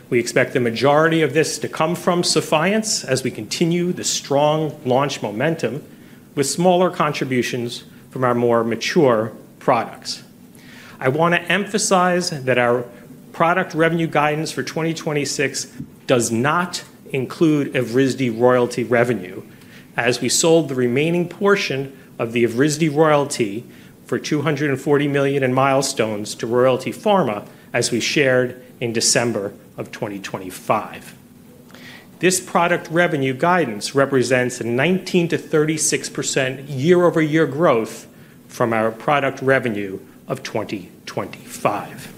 We expect the majority of this to come from Sephience as we continue the strong launch momentum with smaller contributions from our more mature products. I want to emphasize that our product revenue guidance for 2026 does not include Evrysdi royalty revenue, as we sold the remaining portion of the Evrysdi royalty for $240 million in milestones to Royalty Pharma, as we shared in December of 2025. This product revenue guidance represents a 19%-36% year-over-year growth from our product revenue of 2025.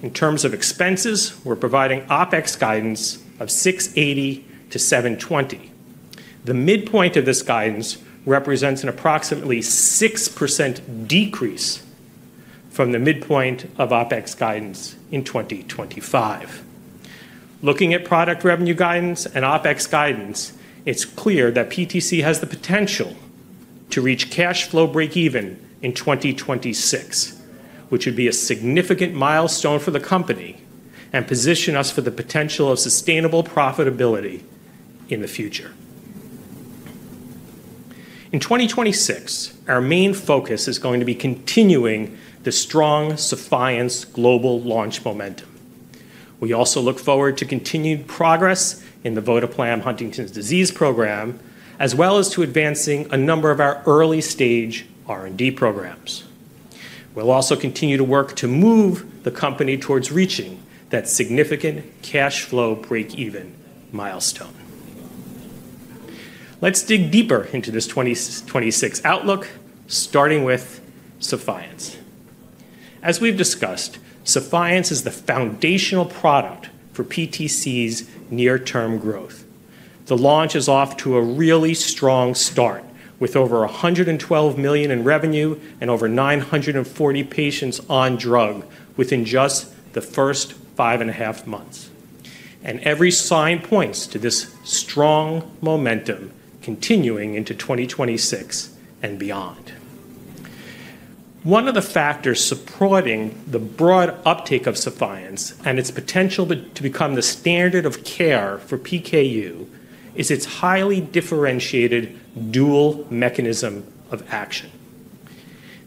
In terms of expenses, we're providing OpEx guidance of $680-$720. The midpoint of this guidance represents an approximately 6% decrease from the midpoint of OpEx guidance in 2025. Looking at product revenue guidance and OpEx guidance, it's clear that PTC has the potential to reach cash flow breakeven in 2026, which would be a significant milestone for the company and position us for the potential of sustainable profitability in the future. In 2026, our main focus is going to be continuing the strong Sephience global launch momentum. We also look forward to continued progress in the PTC518 Huntington's Disease Program, as well as to advancing a number of our early-stage R&D programs. We'll also continue to work to move the company towards reaching that significant cash flow breakeven milestone. Let's dig deeper into this 2026 outlook, starting with Sephience. As we've discussed, Sephience is the foundational product for PTC's near-term growth. The launch is off to a really strong start with over $112 million in revenue and over 940 patients on drug within just the first five and a half months, and every sign points to this strong momentum continuing into 2026 and beyond. One of the factors supporting the broad uptake of Sephience and its potential to become the standard of care for PKU is its highly differentiated dual mechanism of action.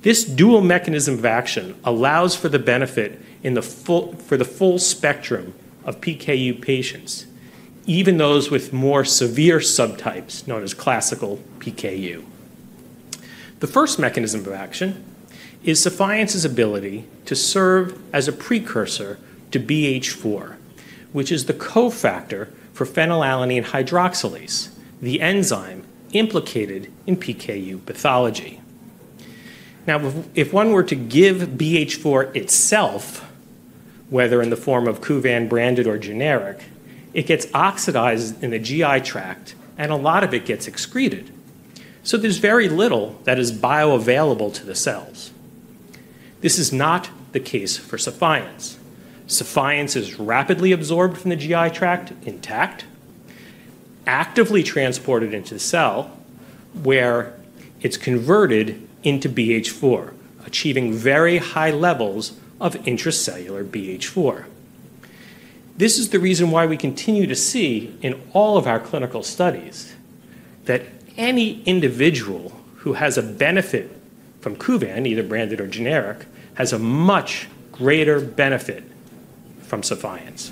This dual mechanism of action allows for the benefit for the full spectrum of PKU patients, even those with more severe subtypes known as classical PKU. The first mechanism of action is Sephience's ability to serve as a precursor to BH4, which is the cofactor for phenylalanine hydroxylase, the enzyme implicated in PKU pathology. Now, if one were to give BH4 itself, whether in the form of Kuvan branded or generic, it gets oxidized in the GI tract, and a lot of it gets excreted. So there's very little that is bioavailable to the cells. This is not the case for Sephience. Sephience is rapidly absorbed from the GI tract intact, actively transported into the cell, where it's converted into BH4, achieving very high levels of intracellular BH4. This is the reason why we continue to see in all of our clinical studies that any individual who has a benefit from Kuvan, either branded or generic, has a much greater benefit from Sephience.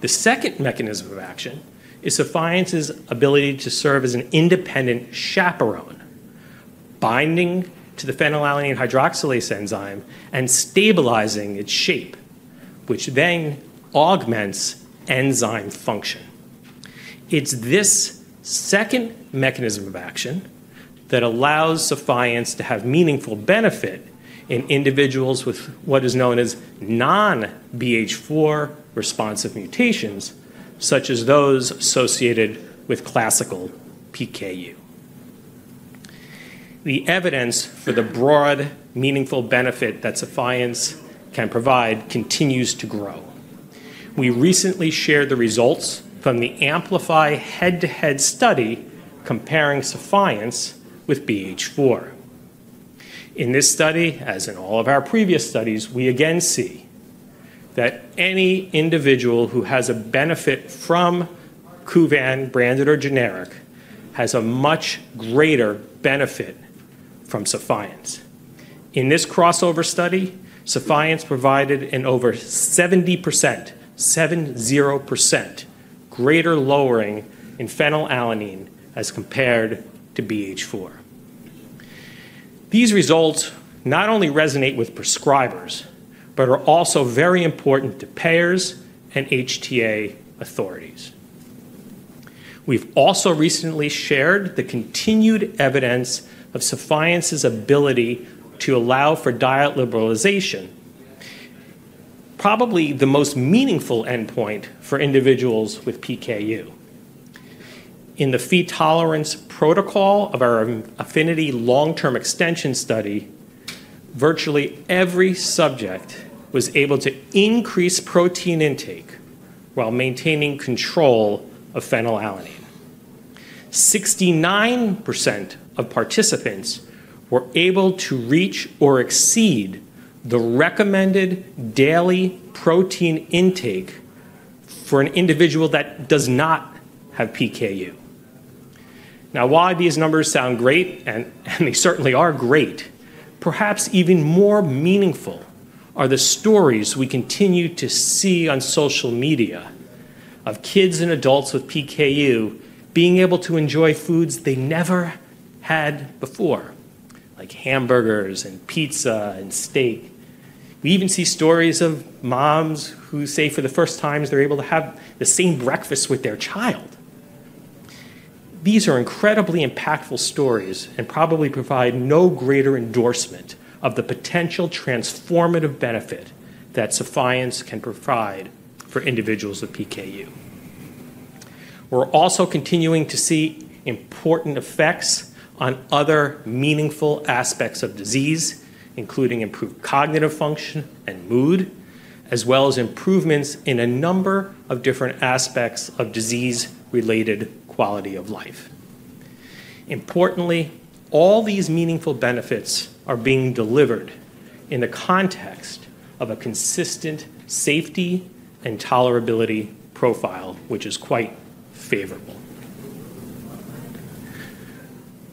The second mechanism of action is Sephience's ability to serve as an independent chaperone, binding to the phenylalanine hydroxylase enzyme and stabilizing its shape, which then augments enzyme function. It's this second mechanism of action that allows Sephience to have meaningful benefit in individuals with what is known as non-BH4 responsive mutations, such as those associated with classical PKU. The evidence for the broad, meaningful benefit that Sephience can provide continues to grow. We recently shared the results from the Amplify head-to-head study comparing Sephience with BH4. In this study, as in all of our previous studies, we again see that any individual who has a benefit from Kuvan branded or generic has a much greater benefit from Sephience. In this crossover study, Sephience provided an over 70%, 70% greater lowering in phenylalanine as compared to BH4. These results not only resonate with prescribers, but are also very important to payers and HTA authorities. We've also recently shared the continued evidence of Sephience's ability to allow for diet liberalization, probably the most meaningful endpoint for individuals with PKU. In the Phe tolerance protocol of our APHENITY long-term extension study, virtually every subject was able to increase protein intake while maintaining control of phenylalanine. 69% of participants were able to reach or exceed the recommended daily protein intake for an individual that does not have PKU. Now, while these numbers sound great, and they certainly are great, perhaps even more meaningful are the stories we continue to see on social media of kids and adults with PKU being able to enjoy foods they never had before, like hamburgers and pizza and steak. We even see stories of moms who say for the first time they're able to have the same breakfast with their child. These are incredibly impactful stories and probably provide no greater endorsement of the potential transformative benefit that Sephience can provide for individuals with PKU. We're also continuing to see important effects on other meaningful aspects of disease, including improved cognitive function and mood, as well as improvements in a number of different aspects of disease-related quality of life. Importantly, all these meaningful benefits are being delivered in the context of a consistent safety and tolerability profile, which is quite favorable.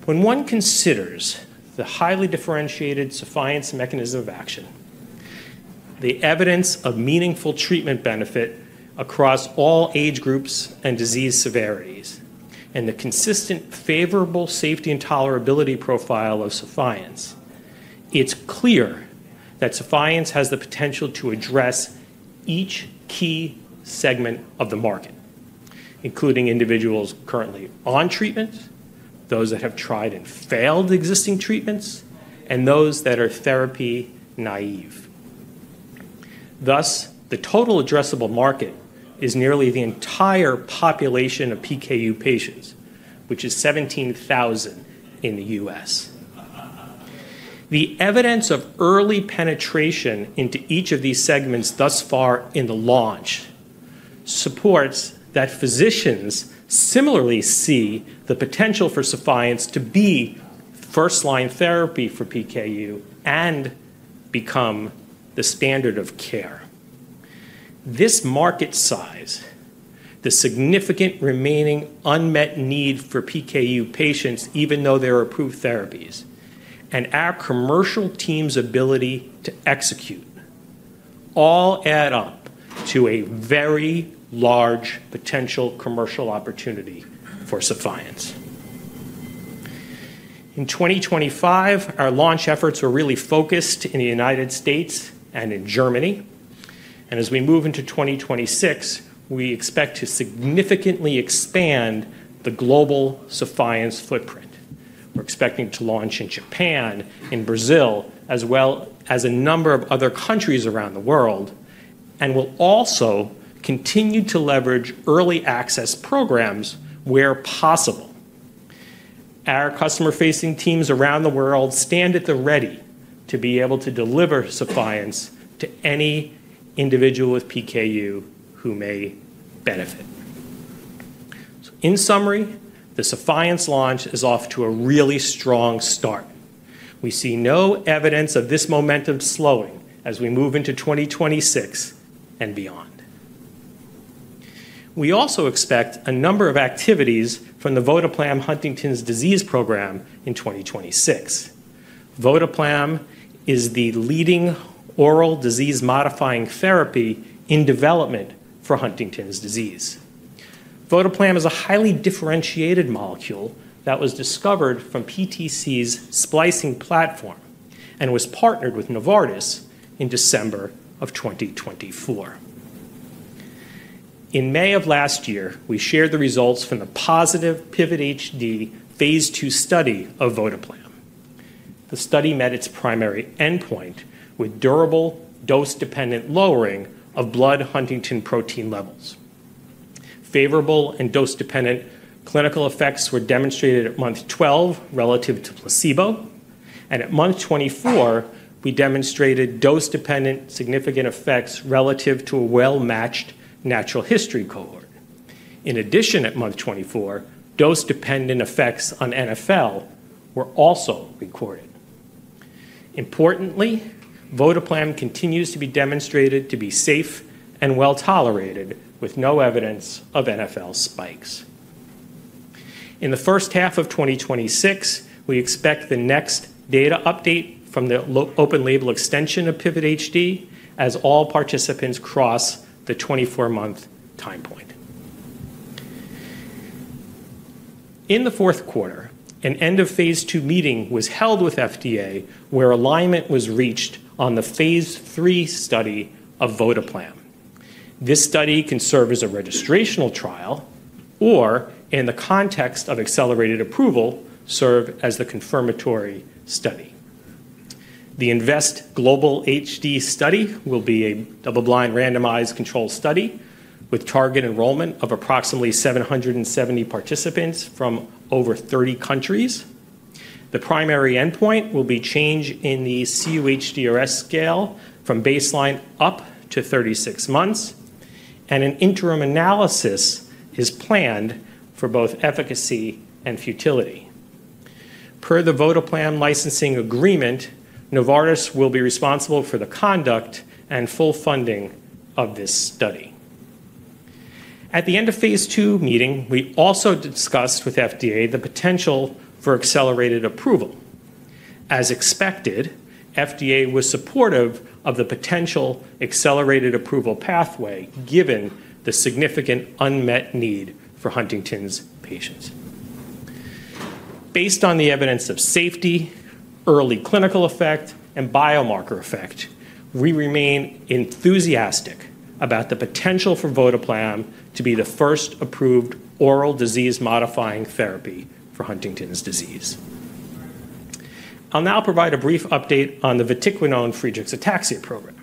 When one considers the highly differentiated Sephience mechanism of action, the evidence of meaningful treatment benefit across all age groups and disease severities, and the consistent favorable safety and tolerability profile of Sephience, it's clear that Sephience has the potential to address each key segment of the market, including individuals currently on treatment, those that have tried and failed existing treatments, and those that are therapy naive. Thus, the total addressable market is nearly the entire population of PKU patients, which is 17,000 in the U.S. The evidence of early penetration into each of these segments thus far in the launch supports that physicians similarly see the potential for Sephience to be first-line therapy for PKU and become the standard of care. This market size, the significant remaining unmet need for PKU patients, even though there are approved therapies, and our commercial team's ability to execute all add up to a very large potential commercial opportunity for Sephience. In 2025, our launch efforts are really focused in the United States and in Germany, and as we move into 2026, we expect to significantly expand the global Sephience footprint. We're expecting to launch in Japan, in Brazil, as well as a number of other countries around the world, and we'll also continue to leverage early access programs where possible. Our customer-facing teams around the world stand at the ready to be able to deliver Sephience to any individual with PKU who may benefit. In summary, the Sephience launch is off to a really strong start. We see no evidence of this momentum slowing as we move into 2026 and beyond. We also expect a number of activities from the PTC518 Huntington's Disease Program in 2026. PTC518 is the leading oral disease-modifying therapy in development for Huntington's disease. PTC518 is a highly differentiated molecule that was discovered from PTC's splicing platform and was partnered with Novartis in December of 2024. In May of last year, we shared the results from the positive PIVOT-HD phase II study of PTC518. The study met its primary endpoint with durable dose-dependent lowering of blood huntingtin protein levels. Favorable and dose-dependent clinical effects were demonstrated at month 12 relative to placebo, and at month 24, we demonstrated dose-dependent significant effects relative to a well-matched natural history cohort. In addition, at month 24, dose-dependent effects on NfL were also recorded. Importantly, PTC518 continues to be demonstrated to be safe and well tolerated with no evidence of NfL spikes. In the first half of 2026, we expect the next data update from the open-label extension of PIVOT-HD as all participants cross the 24-month time point. In the fourth quarter, an end-of-phase II meeting was held with FDA where alignment was reached on the phase III study of PTC518. This study can serve as a registrational trial or, in the context of accelerated approval, serve as the confirmatory study. The INVEST Global HD study will be a double-blind randomized controlled study with target enrollment of approximately 770 participants from over 30 countries. The primary endpoint will be change in the cUHDRS scale from baseline up to 36 months, and an interim analysis is planned for both efficacy and futility. Per the PTC518 licensing agreement, Novartis will be responsible for the conduct and full funding of this study. At the end of phase II meeting, we also discussed with FDA the potential for accelerated approval. As expected, FDA was supportive of the potential accelerated approval pathway given the significant unmet need for Huntington's patients. Based on the evidence of safety, early clinical effect, and biomarker effect, we remain enthusiastic about the potential for PTC518 to be the first approved oral disease-modifying therapy for Huntington's disease. I'll now provide a brief update on the vatiquinone-Friedreich's Ataxia program.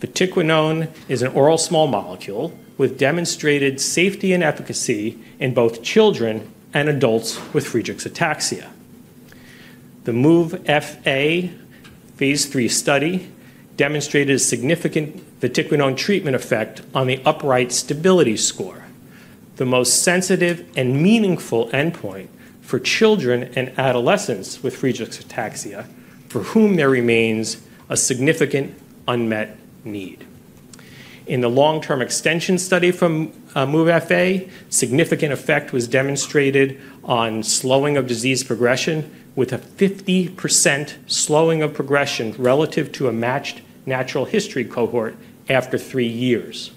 vatiquinone is an oral small molecule with demonstrated safety and efficacy in both children and adults with Friedreich's Ataxia. The MOVE-FA phase III study demonstrated a significant vatiquinone treatment effect on the upright stability score, the most sensitive and meaningful endpoint for children and adolescents with Friedreich's Ataxia, for whom there remains a significant unmet need. In the long-term extension study from MOVE-FA, significant effect was demonstrated on slowing of disease progression with a 50% slowing of progression relative to a matched natural history cohort after three years.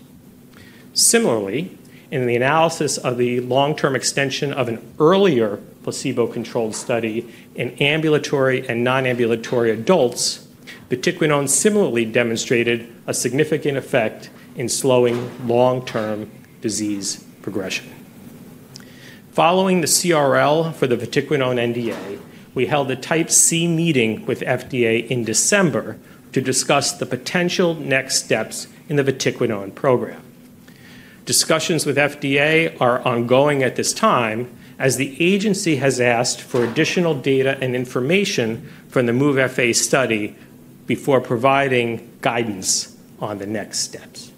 Similarly, in the analysis of the long-term extension of an earlier placebo-controlled study in ambulatory and non-ambulatory adults, vatiquinone similarly demonstrated a significant effect in slowing long-term disease progression. Following the CRL for the vatiquinone NDA, we held a Type C meeting with FDA in December to discuss the potential next steps in the vatiquinone program. Discussions with FDA are ongoing at this time, as the agency has asked for additional data and information from the MOVE-FA study before providing guidance on the next steps,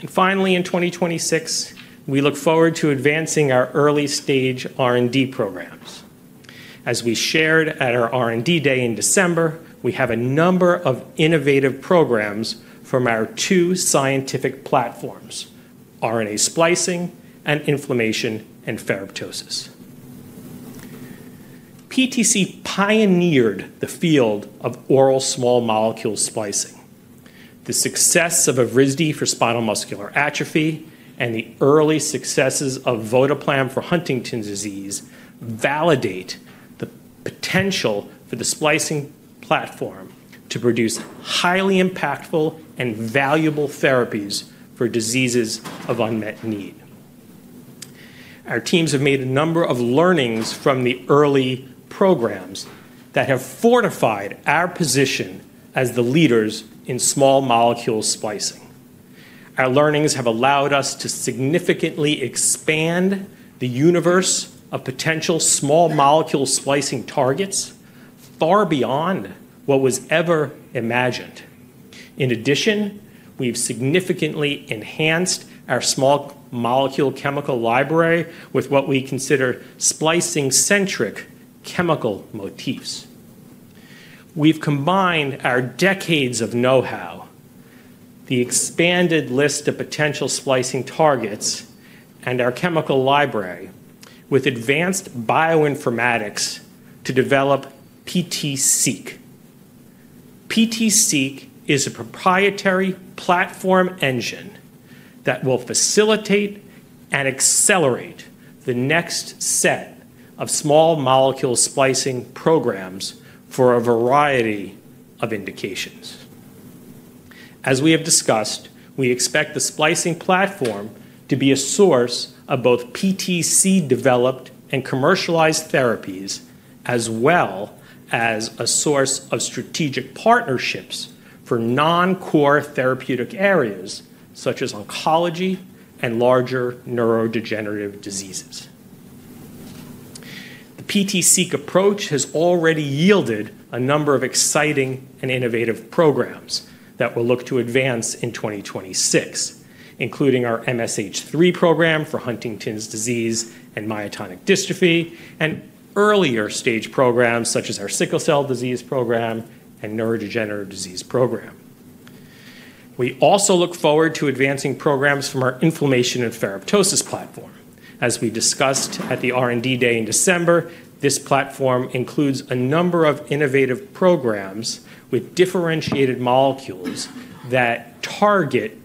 and finally, in 2026, we look forward to advancing our early-stage R&D programs. As we shared at our R&D day in December, we have a number of innovative programs from our two scientific platforms, RNA splicing and inflammation and ferroptosis. PTC pioneered the field of oral small molecule splicing. The success of Evrysdi for spinal muscular atrophy and the early successes of PTC518 for Huntington's disease validate the potential for the splicing platform to produce highly impactful and valuable therapies for diseases of unmet need. Our teams have made a number of learnings from the early programs that have fortified our position as the leaders in small molecule splicing. Our learnings have allowed us to significantly expand the universe of potential small molecule splicing targets far beyond what was ever imagined. In addition, we've significantly enhanced our small molecule chemical library with what we consider splicing-centric chemical motifs. We've combined our decades of know-how, the expanded list of potential splicing targets, and our chemical library with advanced bioinformatics to develop PTSeq. PTSeq is a proprietary platform engine that will facilitate and accelerate the next set of small molecule splicing programs for a variety of indications. As we have discussed, we expect the splicing platform to be a source of both PTC-developed and commercialized therapies, as well as a source of strategic partnerships for non-core therapeutic areas such as oncology and larger neurodegenerative diseases. The PTSeq approach has already yielded a number of exciting and innovative programs that will look to advance in 2026, including our MSH3 program for Huntington's disease and myotonic dystrophy, and earlier stage programs such as our sickle cell disease program and neurodegenerative disease program. We also look forward to advancing programs from our inflammation and ferroptosis platform. As we discussed at the R&D day in December, this platform includes a number of innovative programs with differentiated molecules that target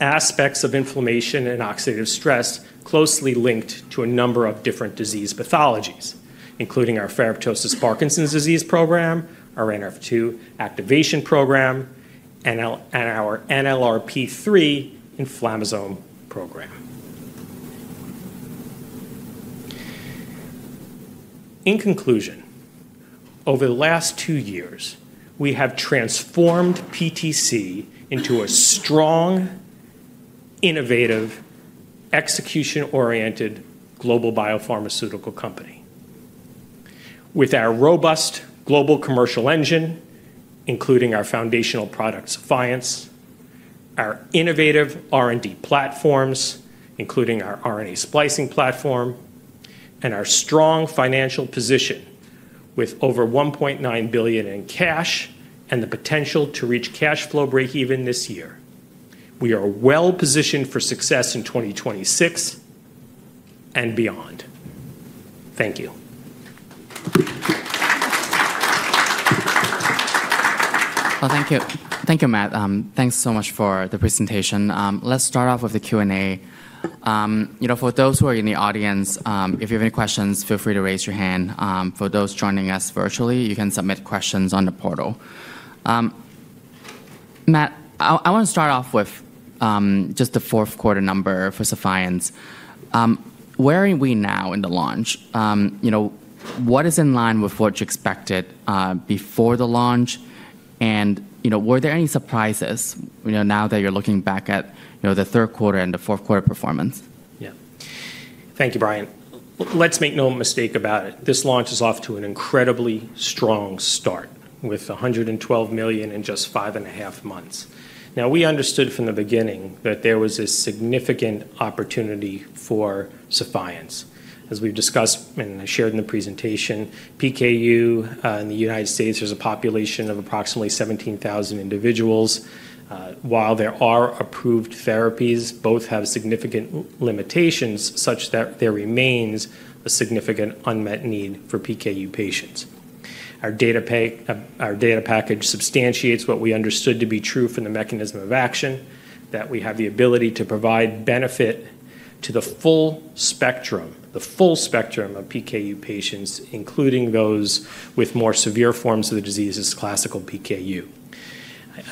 aspects of inflammation and oxidative stress closely linked to a number of different disease pathologies, including our ferroptosis-Parkinson's disease program, our NRF2 activation program, and our NLRP3 inflammasome program. In conclusion, over the last two years, we have transformed PTC into a strong, innovative, execution-oriented global biopharmaceutical company. With our robust global commercial engine, including our foundational product Sephience, our innovative R&D platforms, including our RNA splicing platform, and our strong financial position with over $1.9 billion in cash and the potential to reach cash flow break-even this year, we are well positioned for success in 2026 and beyond. Thank you. Thank you. Thank you, Matt. Thanks so much for the presentation. Let's start off with the Q&A. For those who are in the audience, if you have any questions, feel free to raise your hand. For those joining us virtually, you can submit questions on the portal. Matt, I want to start off with just the fourth quarter number for Sephience. Where are we now in the launch? What is in line with what you expected before the launch? And were there any surprises now that you're looking back at the third quarter and the fourth quarter performance? Yeah. Thank you, Brian. Let's make no mistake about it. This launch is off to an incredibly strong start with $112 million in just five and a half months. Now, we understood from the beginning that there was a significant opportunity for Sephience. As we've discussed and shared in the presentation, PKU in the United States, there's a population of approximately 17,000 individuals. While there are approved therapies, both have significant limitations such that there remains a significant unmet need for PKU patients. Our data package substantiates what we understood to be true from the mechanism of action, that we have the ability to provide benefit to the full spectrum, the full spectrum of PKU patients, including those with more severe forms of the disease, this classical PKU.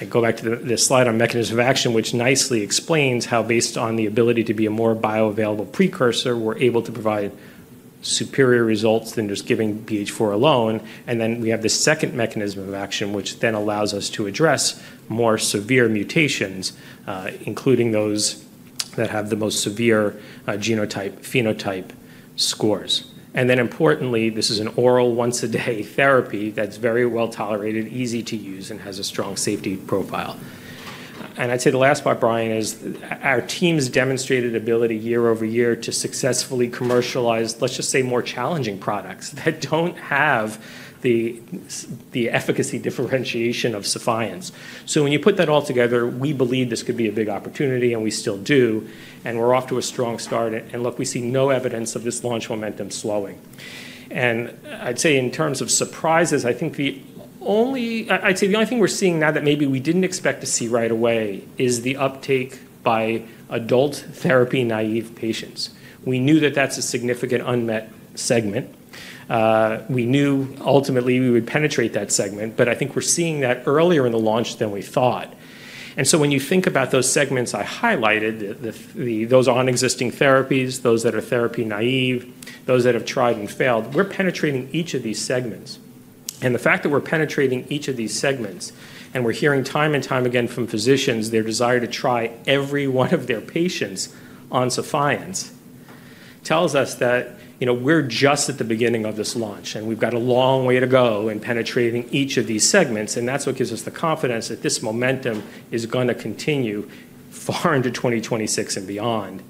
I go back to this slide on mechanism of action, which nicely explains how, based on the ability to be a more bioavailable precursor, we're able to provide superior results than just giving BH4 alone. And then we have the second mechanism of action, which then allows us to address more severe mutations, including those that have the most severe genotype-phenotype scores. And then, importantly, this is an oral once-a-day therapy that's very well tolerated, easy to use, and has a strong safety profile. And I'd say the last part, Brian, is our team's demonstrated ability year-over-year to successfully commercialize, let's just say, more challenging products that don't have the efficacy differentiation of Sephience. So when you put that all together, we believe this could be a big opportunity, and we still do. And we're off to a strong start. And look, we see no evidence of this launch momentum slowing. And I'd say in terms of surprises, I think the only—I'd say the only thing we're seeing now that maybe we didn't expect to see right away is the uptake by adult therapy naive patients. We knew that that's a significant unmet segment. We knew ultimately we would penetrate that segment, but I think we're seeing that earlier in the launch than we thought. And so when you think about those segments I highlighted, those on existing therapies, those that are therapy naive, those that have tried and failed, we're penetrating each of these segments. And the fact that we're penetrating each of these segments, and we're hearing time and time again from physicians their desire to try every one of their patients on Sephience, tells us that we're just at the beginning of this launch, and we've got a long way to go in penetrating each of these segments. And that's what gives us the confidence that this momentum is going to continue far into 2026 and beyond.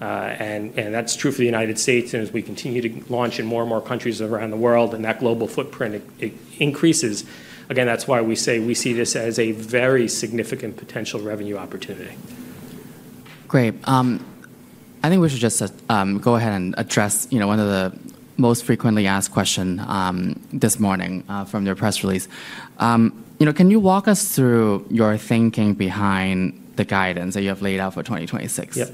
And that's true for the United States. And as we continue to launch in more and more countries around the world, and that global footprint increases, again, that's why we say we see this as a very significant potential revenue opportunity. Great. I think we should just go ahead and address one of the most frequently asked questions this morning from your press release. Can you walk us through your thinking behind the guidance that you have laid out for 2026? Yeah.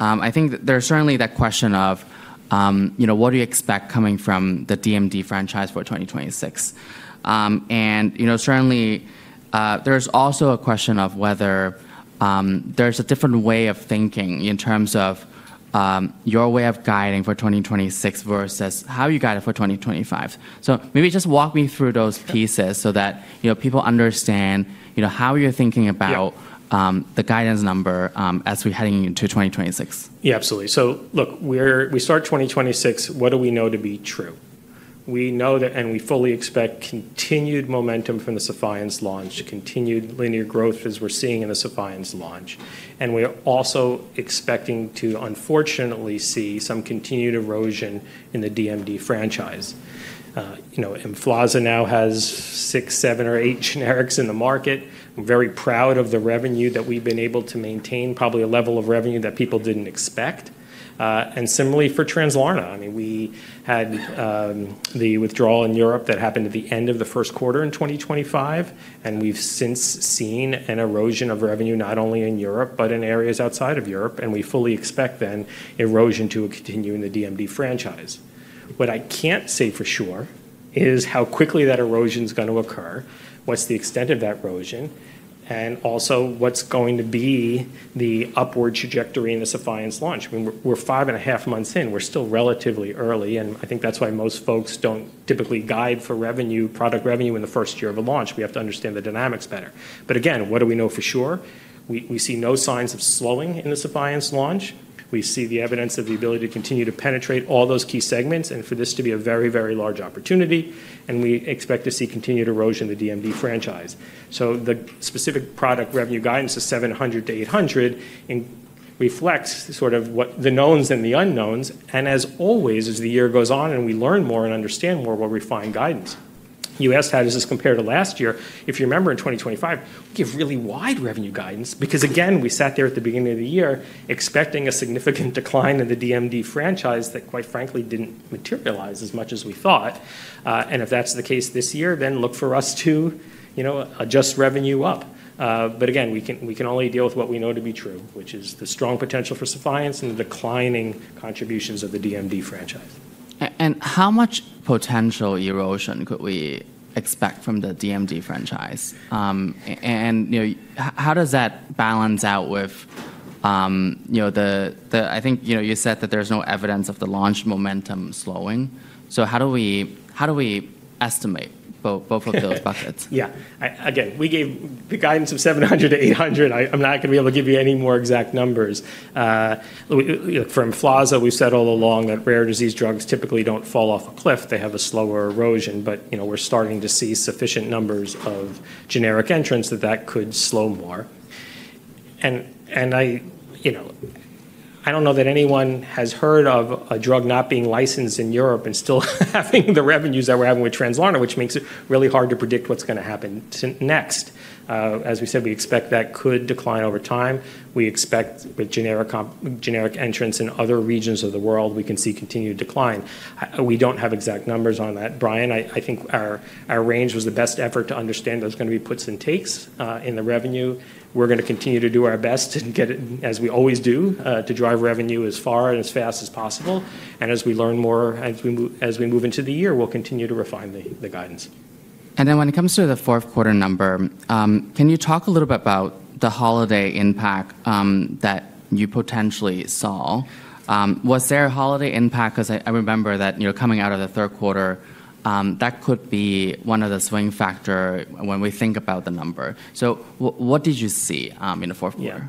I think there's certainly that question of what do you expect coming from the DMD franchise for 2026? And certainly, there's also a question of whether there's a different way of thinking in terms of your way of guiding for 2026 versus how you guide it for 2025. So maybe just walk me through those pieces so that people understand how you're thinking about the guidance number as we're heading into 2026. Yeah, absolutely. So look, we start 2026. What do we know to be true? We know that, and we fully expect continued momentum from the Sephience launch, continued linear growth as we're seeing in the Sephience launch. And we're also expecting to, unfortunately, see some continued erosion in the DMD franchise. Emflaza now has six, seven, or eight generics in the market. We're very proud of the revenue that we've been able to maintain, probably a level of revenue that people didn't expect. And similarly for Translarna, I mean, we had the withdrawal in Europe that happened at the end of the first quarter in 2025. And we've since seen an erosion of revenue not only in Europe, but in areas outside of Europe. And we fully expect then erosion to continue in the DMD franchise. What I can't say for sure is how quickly that erosion is going to occur, what's the extent of that erosion, and also what's going to be the upward trajectory in the Sephience launch. I mean, we're five and a half months in. We're still relatively early, and I think that's why most folks don't typically guide for revenue, product revenue in the first year of a launch. We have to understand the dynamics better, but again, what do we know for sure? We see no signs of slowing in the Sephience launch. We see the evidence of the ability to continue to penetrate all those key segments, and for this to be a very, very large opportunity, and we expect to see continued erosion in the DMD franchise, so the specific product revenue guidance of $700-$800 reflects sort of what the knowns and the unknowns. As always, as the year goes on and we learn more and understand more, we'll refine guidance. You asked, how does this compare to last year? If you remember in 2025, we gave really wide revenue guidance because, again, we sat there at the beginning of the year expecting a significant decline in the DMD franchise that, quite frankly, didn't materialize as much as we thought. And if that's the case this year, then look for us to adjust revenue up. But again, we can only deal with what we know to be true, which is the strong potential for Sephience and the declining contributions of the DMD franchise. And how much potential erosion could we expect from the DMD franchise? And how does that balance out with the, I think you said that there's no evidence of the launch momentum slowing. So how do we estimate both of those buckets? Yeah. Again, we gave the guidance of 700-800. I'm not going to be able to give you any more exact numbers. From Emflaza, we've said all along that rare disease drugs typically don't fall off a cliff. They have a slower erosion. But we're starting to see sufficient numbers of generic entrants that that could slow more. And I don't know that anyone has heard of a drug not being licensed in Europe and still having the revenues that we're having with Translarna, which makes it really hard to predict what's going to happen next. As we said, we expect that could decline over time. We expect with generic entrants in other regions of the world, we can see continued decline. We don't have exact numbers on that, Brian. I think our range was the best effort to understand there's going to be puts and takes in the revenue. We're going to continue to do our best and get it, as we always do, to drive revenue as far and as fast as possible. And as we learn more, as we move into the year, we'll continue to refine the guidance. And then when it comes to the fourth quarter number, can you talk a little bit about the holiday impact that you potentially saw? Was there a holiday impact? Because I remember that coming out of the third quarter, that could be one of the swing factors when we think about the number. So what did you see in the fourth quarter?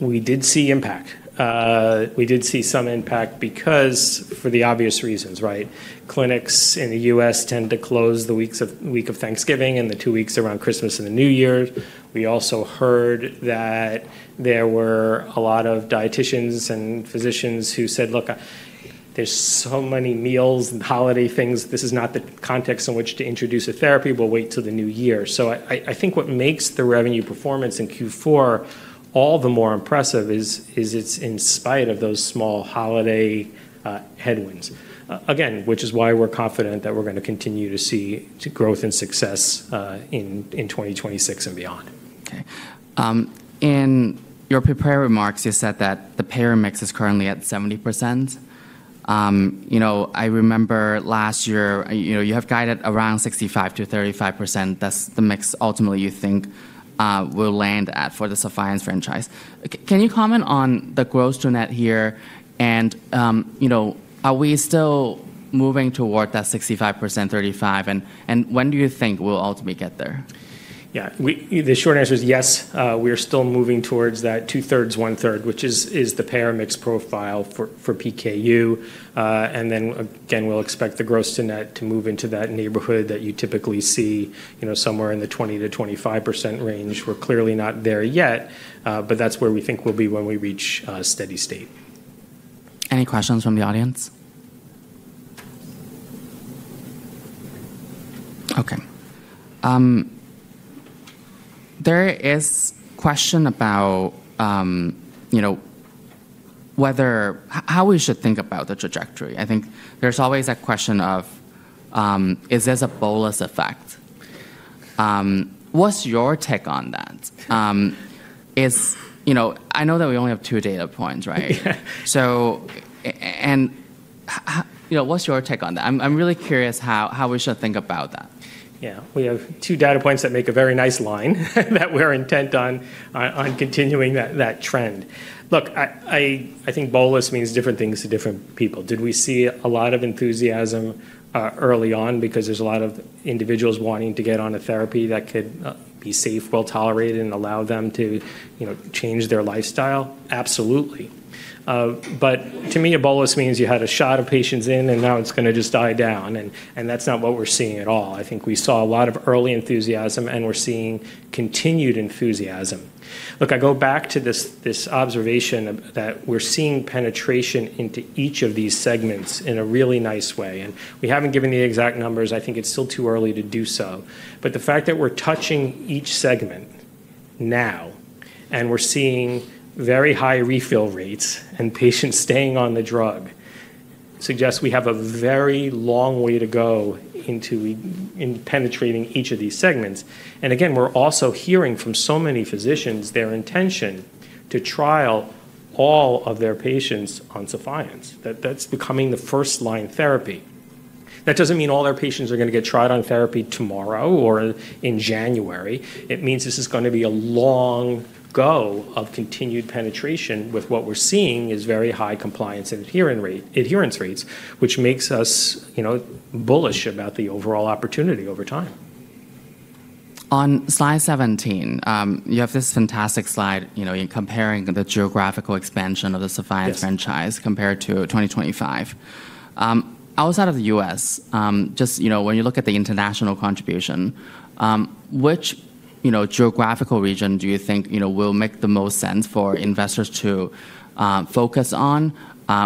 We did see impact. We did see some impact because for the obvious reasons, right? Clinics in the U.S. tend to close the week of Thanksgiving and the two weeks around Christmas and the New Year. We also heard that there were a lot of dietitians and physicians who said, "Look, there's so many meals and holiday things. This is not the context in which to introduce a therapy. We'll wait till the new year." So I think what makes the revenue performance in Q4 all the more impressive is it's in spite of those small holiday headwinds, again, which is why we're confident that we're going to continue to see growth and success in 2026 and beyond. Okay. In your prepared remarks, you said that the payer mix is currently at 70%. I remember last year, you have guided around 65%-35%. That's the mix ultimately you think will land at for the Sephience franchise. Can you comment on the growth journey here? And are we still moving toward that 65%-35%? And when do you think we'll ultimately get there? Yeah. The short answer is yes. We are still moving towards that two-thirds, one-third, which is the payer mix profile for PKU. And then, again, we'll expect the gross to net to move into that neighborhood that you typically see somewhere in the 20%-25% range. We're clearly not there yet, but that's where we think we'll be when we reach steady state. Any questions from the audience? Okay. There is a question about how we should think about the trajectory. I think there's always that question of, is this a bolus effect? What's your take on that? I know that we only have two data points, right? And what's your take on that? I'm really curious how we should think about that. Yeah. We have two data points that make a very nice line that we're intent on continuing that trend. Look, I think bolus means different things to different people. Did we see a lot of enthusiasm early on because there's a lot of individuals wanting to get on a therapy that could be safe, well-tolerated, and allow them to change their lifestyle? Absolutely. But to me, a bolus means you had a shot of patients in, and now it's going to just die down, and that's not what we're seeing at all. I think we saw a lot of early enthusiasm, and we're seeing continued enthusiasm. Look, I go back to this observation that we're seeing penetration into each of these segments in a really nice way, and we haven't given the exact numbers. I think it's still too early to do so. But the fact that we're touching each segment now, and we're seeing very high refill rates and patients staying on the drug, suggests we have a very long way to go into penetrating each of these segments. And again, we're also hearing from so many physicians their intention to trial all of their patients on Sephience. That's becoming the first-line therapy. That doesn't mean all our patients are going to get tried on therapy tomorrow or in January. It means this is going to be a long go of continued penetration with what we're seeing is very high compliance and adherence rates, which makes us bullish about the overall opportunity over time. On slide 17, you have this fantastic slide in comparing the geographical expansion of the Sephience franchise compared to 2025. Outside of the U.S., just when you look at the international contribution, which geographical region do you think will make the most sense for investors to focus on?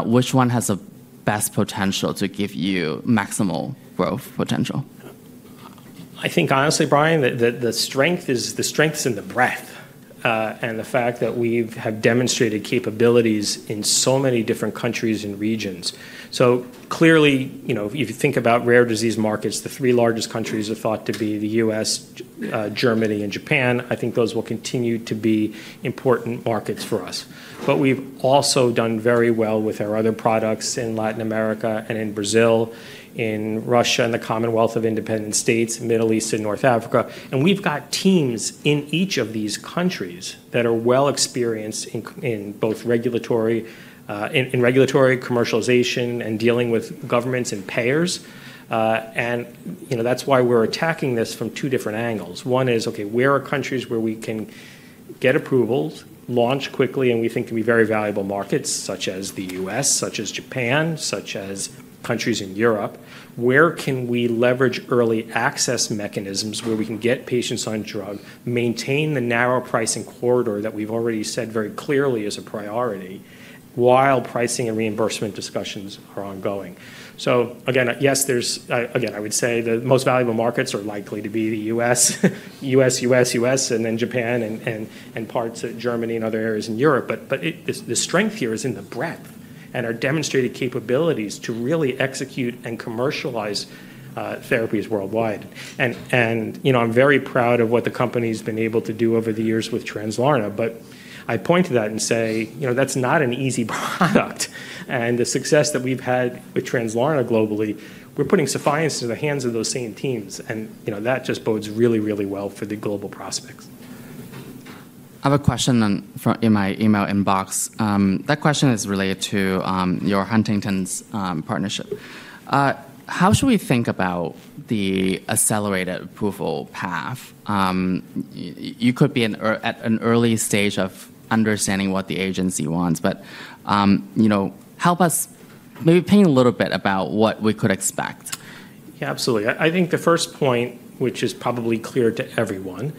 Which one has the best potential to give you maximal growth potential? I think, honestly, Brian, the strength is in the breadth and the fact that we have demonstrated capabilities in so many different countries and regions. So clearly, if you think about rare disease markets, the three largest countries are thought to be the U.S., Germany, and Japan. I think those will continue to be important markets for us. But we've also done very well with our other products in Latin America and in Brazil, in Russia, and the Commonwealth of Independent States, Middle East, and North Africa. And we've got teams in each of these countries that are well experienced in both regulatory commercialization and dealing with governments and payers. And that's why we're attacking this from two different angles. One is, okay, where are countries where we can get approvals, launch quickly, and we think can be very valuable markets, such as the U.S., such as Japan, such as countries in Europe? Where can we leverage early access mechanisms where we can get patients on drug, maintain the narrow pricing corridor that we've already said very clearly is a priority while pricing and reimbursement discussions are ongoing? So again, yes, there's again, I would say the most valuable markets are likely to be the U.S., and then Japan and parts of Germany and other areas in Europe. But the strength here is in the breadth and our demonstrated capabilities to really execute and commercialize therapies worldwide. And I'm very proud of what the company has been able to do over the years with Translarna. But I point to that and say that's not an easy product. And the success that we've had with Translarna globally, we're putting Sephience into the hands of those same teams. And that just bodes really, really well for the global prospects. I have a question in my email inbox. That question is related to your Huntington's partnership. How should we think about the accelerated approval path? You could be at an early stage of understanding what the agency wants. But help us maybe paint a little bit about what we could expect. Yeah, absolutely. I think the first point, which is probably clear to everyone,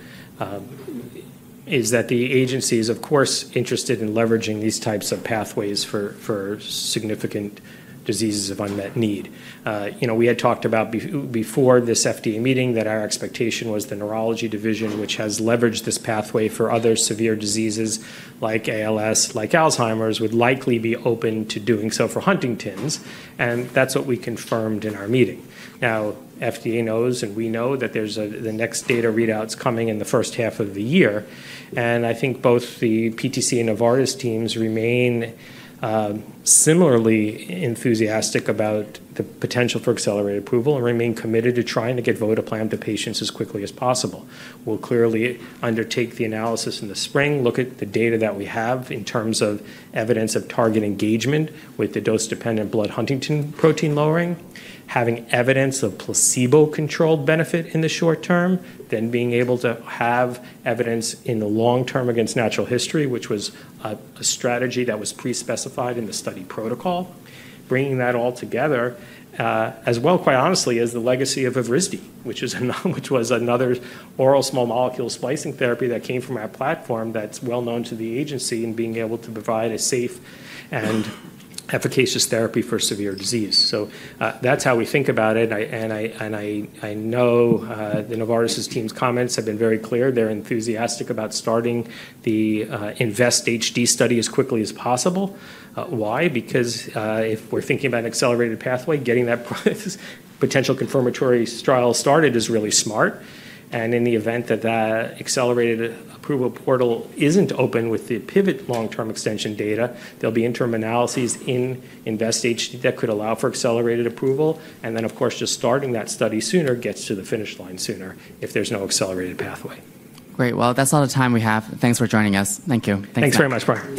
is that the agency is, of course, interested in leveraging these types of pathways for significant diseases of unmet need. We had talked about before this FDA meeting that our expectation was the neurology division, which has leveraged this pathway for other severe diseases like ALS, like Alzheimer's, would likely be open to doing so for Huntington's. And that's what we confirmed in our meeting. Now, FDA knows and we know that the next data readouts coming in the first half of the year. And I think both the PTC and Novartis teams remain similarly enthusiastic about the potential for accelerated approval and remain committed to trying to get PTC518 to patients as quickly as possible. We'll clearly undertake the analysis in the spring, look at the data that we have in terms of evidence of target engagement with the dose-dependent blood Huntington's protein lowering, having evidence of placebo-controlled benefit in the short term, then being able to have evidence in the long term against natural history, which was a strategy that was pre-specified in the study protocol, bringing that all together as well, quite honestly, as the legacy of Evrysdi, which was another oral small molecule splicing therapy that came from our platform that's well known to the agency in being able to provide a safe and efficacious therapy for severe disease. So that's how we think about it. And I know the Novartis team's comments have been very clear. They're enthusiastic about starting the Invest HD study as quickly as possible. Why? Because if we're thinking about an accelerated pathway, getting that potential confirmatory trial started is really smart. And in the event that that accelerated approval portal isn't open with the PIVOT long-term extension data, there'll be interim analyses in Invest HD that could allow for accelerated approval. And then, of course, just starting that study sooner gets to the finish line sooner if there's no accelerated pathway. Great. Well, that's all the time we have. Thanks for joining us. Thank you. Thank you. Thanks very much, Brian.